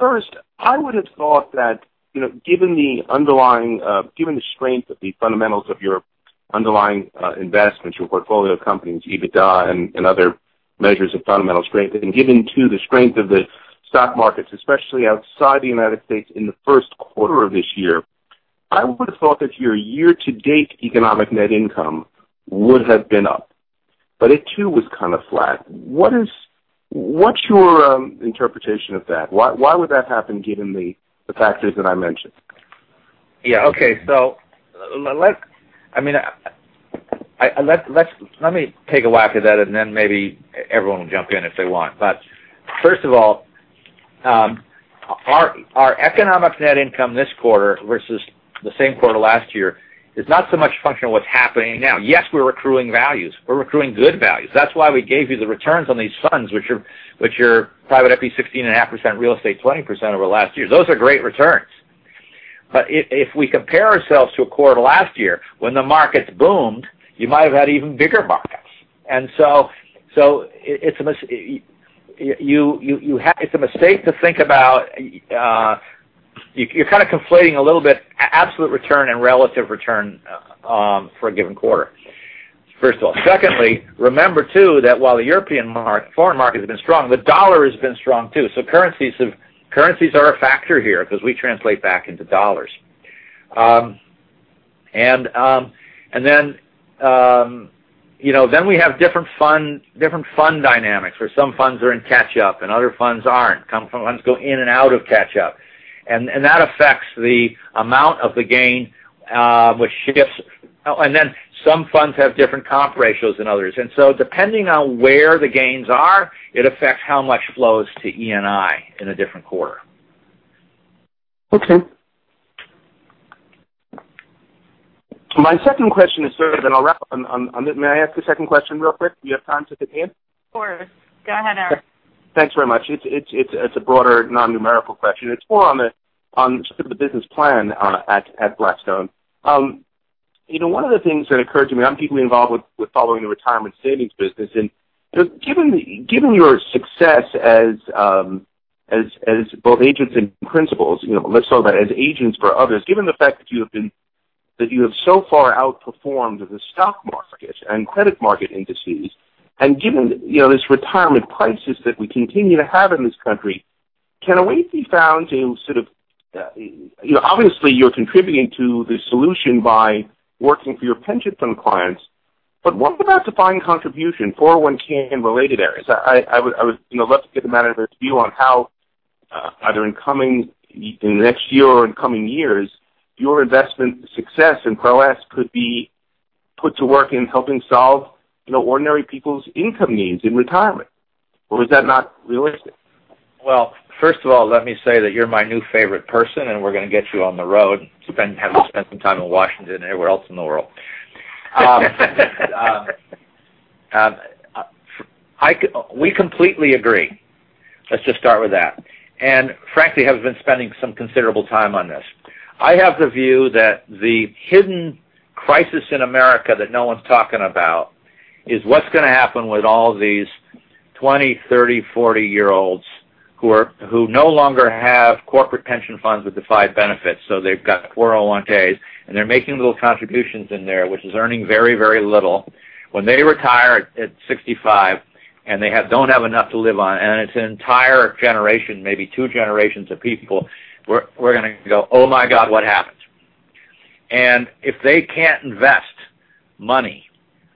First, I would have thought that given the strength of the fundamentals of your underlying investments, your portfolio companies, EBITDA, and other measures of fundamental strength, given too the strength of the stock markets, especially outside the U.S. in the first quarter of this year, I would have thought that your year-to-date Economic Net Income would have been up. It too was kind of flat. What's your interpretation of that? Why would that happen given the factors that I mentioned? Yeah. Okay. Let me take a whack at that and then maybe everyone will jump in if they want. First of all, our Economic Net Income this quarter versus the same quarter last year is not so much a function of what's happening now. Yes, we're accruing values. We're accruing good values. That's why we gave you the returns on these funds, which are private equity 16.5%, real estate 20% over the last year. Those are great returns. If we compare ourselves to a quarter last year when the markets boomed, you might have had even bigger markets. It's a mistake to think about You're conflating a little bit absolute return and relative return for a given quarter, first of all. Secondly, remember too, that while the European market, foreign market has been strong, the dollar has been strong too. Currencies are a factor here because we translate back into dollars. We have different fund dynamics where some funds are in catch up and other funds aren't. Some funds go in and out of catch up. That affects the amount of the gain, which shifts. Some funds have different comp ratios than others. Depending on where the gains are, it affects how much flows to ENI in a different quarter. Okay. My second question is sort of, May I ask a second question real quick? Do you have time to fit it in? Of course. Go ahead, Eric. Thanks very much. It's a broader non-numerical question. It's more on the business plan at Blackstone. One of the things that occurred to me, I'm deeply involved with following the retirement savings business. Given your success as both agents and principals, let's talk about as agents for others, given the fact that you have so far outperformed the stock market and credit market indices, given this retirement crisis that we continue to have in this country, obviously you're contributing to the solution by working for your pension fund clients, but what about defined contribution, 401 and related areas? I would love to get a matter of your view on how, either in the next year or in coming years, your investment success and prowess could be put to work in helping solve ordinary people's income needs in retirement. Or is that not realistic? Well, first of all, let me say that you're my new favorite person, and we're going to get you on the road and have you spend some time in Washington and everywhere else in the world. We completely agree. Let's just start with that. Frankly, have been spending some considerable time on this. I have the view that the hidden crisis in America that no one's talking about is what's going to happen with all these 20, 30, 40-year-olds who no longer have corporate pension funds with defined benefits. They've got 401ks, and they're making little contributions in there, which is earning very, very little. When they retire at 65 and they don't have enough to live on, it's an entire generation, maybe two generations of people, we're going to go, "Oh, my God, what happened." If they can't invest money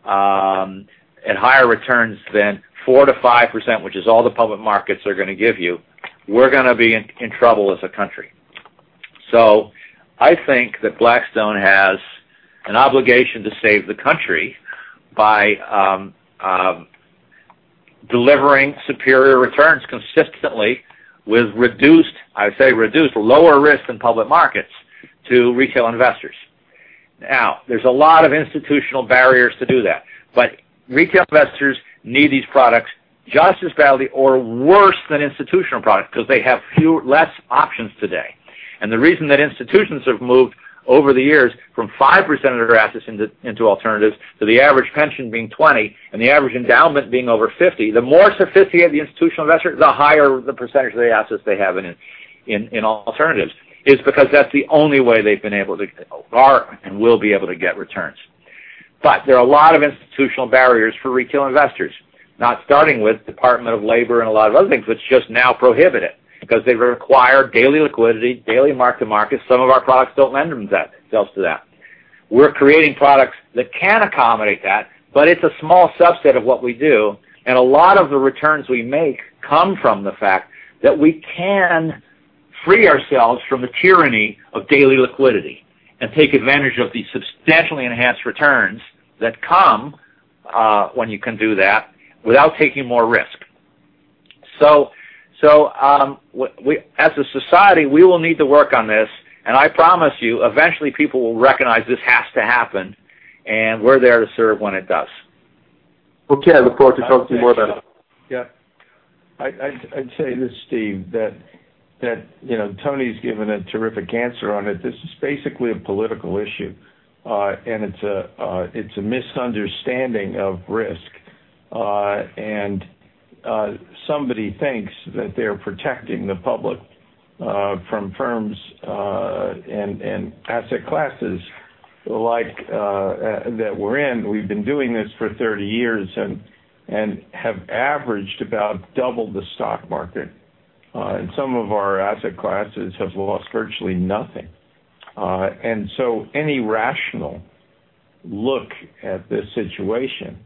at higher returns than 4%-5%, which is all the public markets are going to give you, we're going to be in trouble as a country. I think that Blackstone has an obligation to save the country by delivering superior returns consistently with reduced, I say reduced, lower risk than public markets to retail investors. There's a lot of institutional barriers to do that, but retail investors need these products just as badly or worse than institutional products because they have less options today. The reason that institutions have moved over the years from 5% of their assets into alternatives to the average pension being 20% and the average endowment being over 50%, the more sophisticated the institutional investor, the higher the percentage of the assets they have in alternatives, is because that's the only way they've been able to, are, and will be able to get returns. There are a lot of institutional barriers for retail investors. Starting with Department of Labor and a lot of other things, which just now prohibit it because they require daily liquidity, daily mark-to-market. Some of our products don't lend themselves to that. We're creating products that can accommodate that, but it's a small subset of what we do, and a lot of the returns we make come from the fact that we can free ourselves from the tyranny of daily liquidity and take advantage of the substantially enhanced returns that come when you can do that without taking more risk. As a society, we will need to work on this. I promise you, eventually people will recognize this has to happen, and we're there to serve when it does. Okay. I look forward to talking more about it. Yeah. I'd say this, Steve, that Tony's given a terrific answer on it. This is basically a political issue. It's a misunderstanding of risk. Somebody thinks that they're protecting the public from firms and asset classes that we're in. We've been doing this for 30 years and have averaged about double the stock market. Some of our asset classes have lost virtually nothing. Any rational look at this situation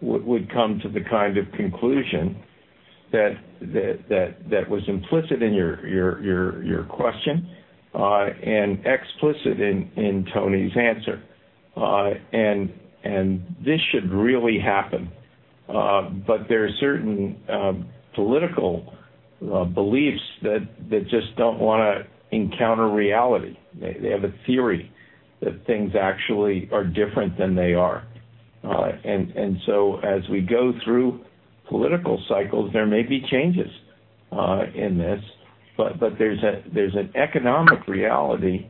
would come to the kind of conclusion that was implicit in your question, and explicit in Tony's answer. This should really happen. There are certain political beliefs that just don't want to encounter reality. They have a theory that things actually are different than they are. As we go through political cycles, there may be changes in this. There's an economic reality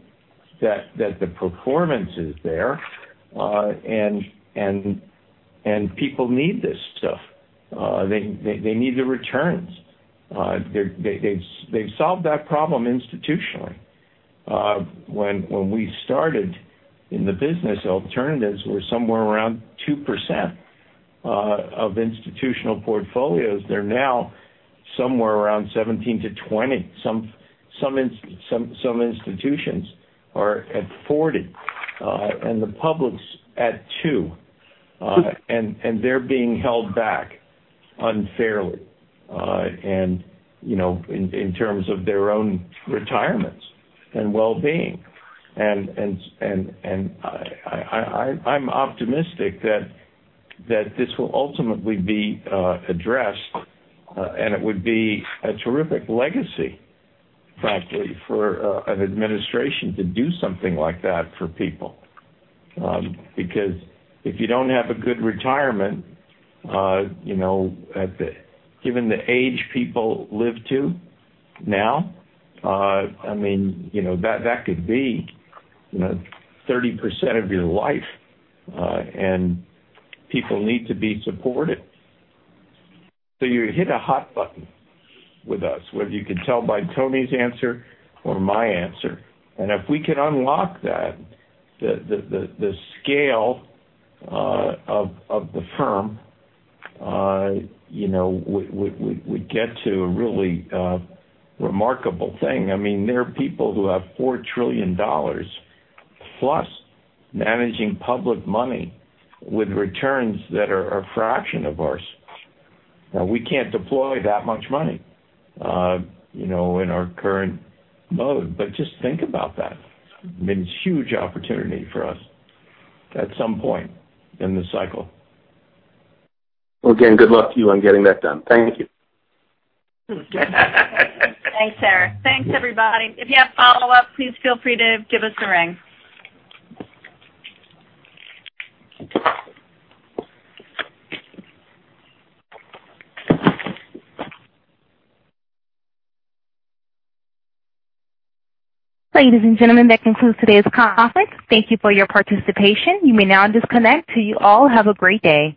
that the performance is there, and people need this stuff. They need the returns. They've solved that problem institutionally. When we started in the business, alternatives were somewhere around 2% of institutional portfolios. They're now somewhere around 17%-20%. Some institutions are at 40%, and the public's at 2%. They're being held back unfairly, and in terms of their own retirements and well-being. I'm optimistic that this will ultimately be addressed. It would be a terrific legacy, frankly, for an administration to do something like that for people. Because if you don't have a good retirement, given the age people live to now, that could be 30% of your life, and people need to be supported. You hit a hot button with us, whether you can tell by Tony's answer or my answer. If we can unlock that, the scale of the firm, we'd get to a really remarkable thing. There are people who have $4 trillion plus managing public money with returns that are a fraction of ours. Now, we can't deploy that much money in our current mode. Just think about that. I mean, it's a huge opportunity for us at some point in the cycle. Well, again, good luck to you on getting that done. Thank you. Thanks, Eric. Thanks, everybody. If you have follow-up, please feel free to give us a ring. Ladies and gentlemen, that concludes today's conference. Thank you for your participation. You may now disconnect. You all have a great day.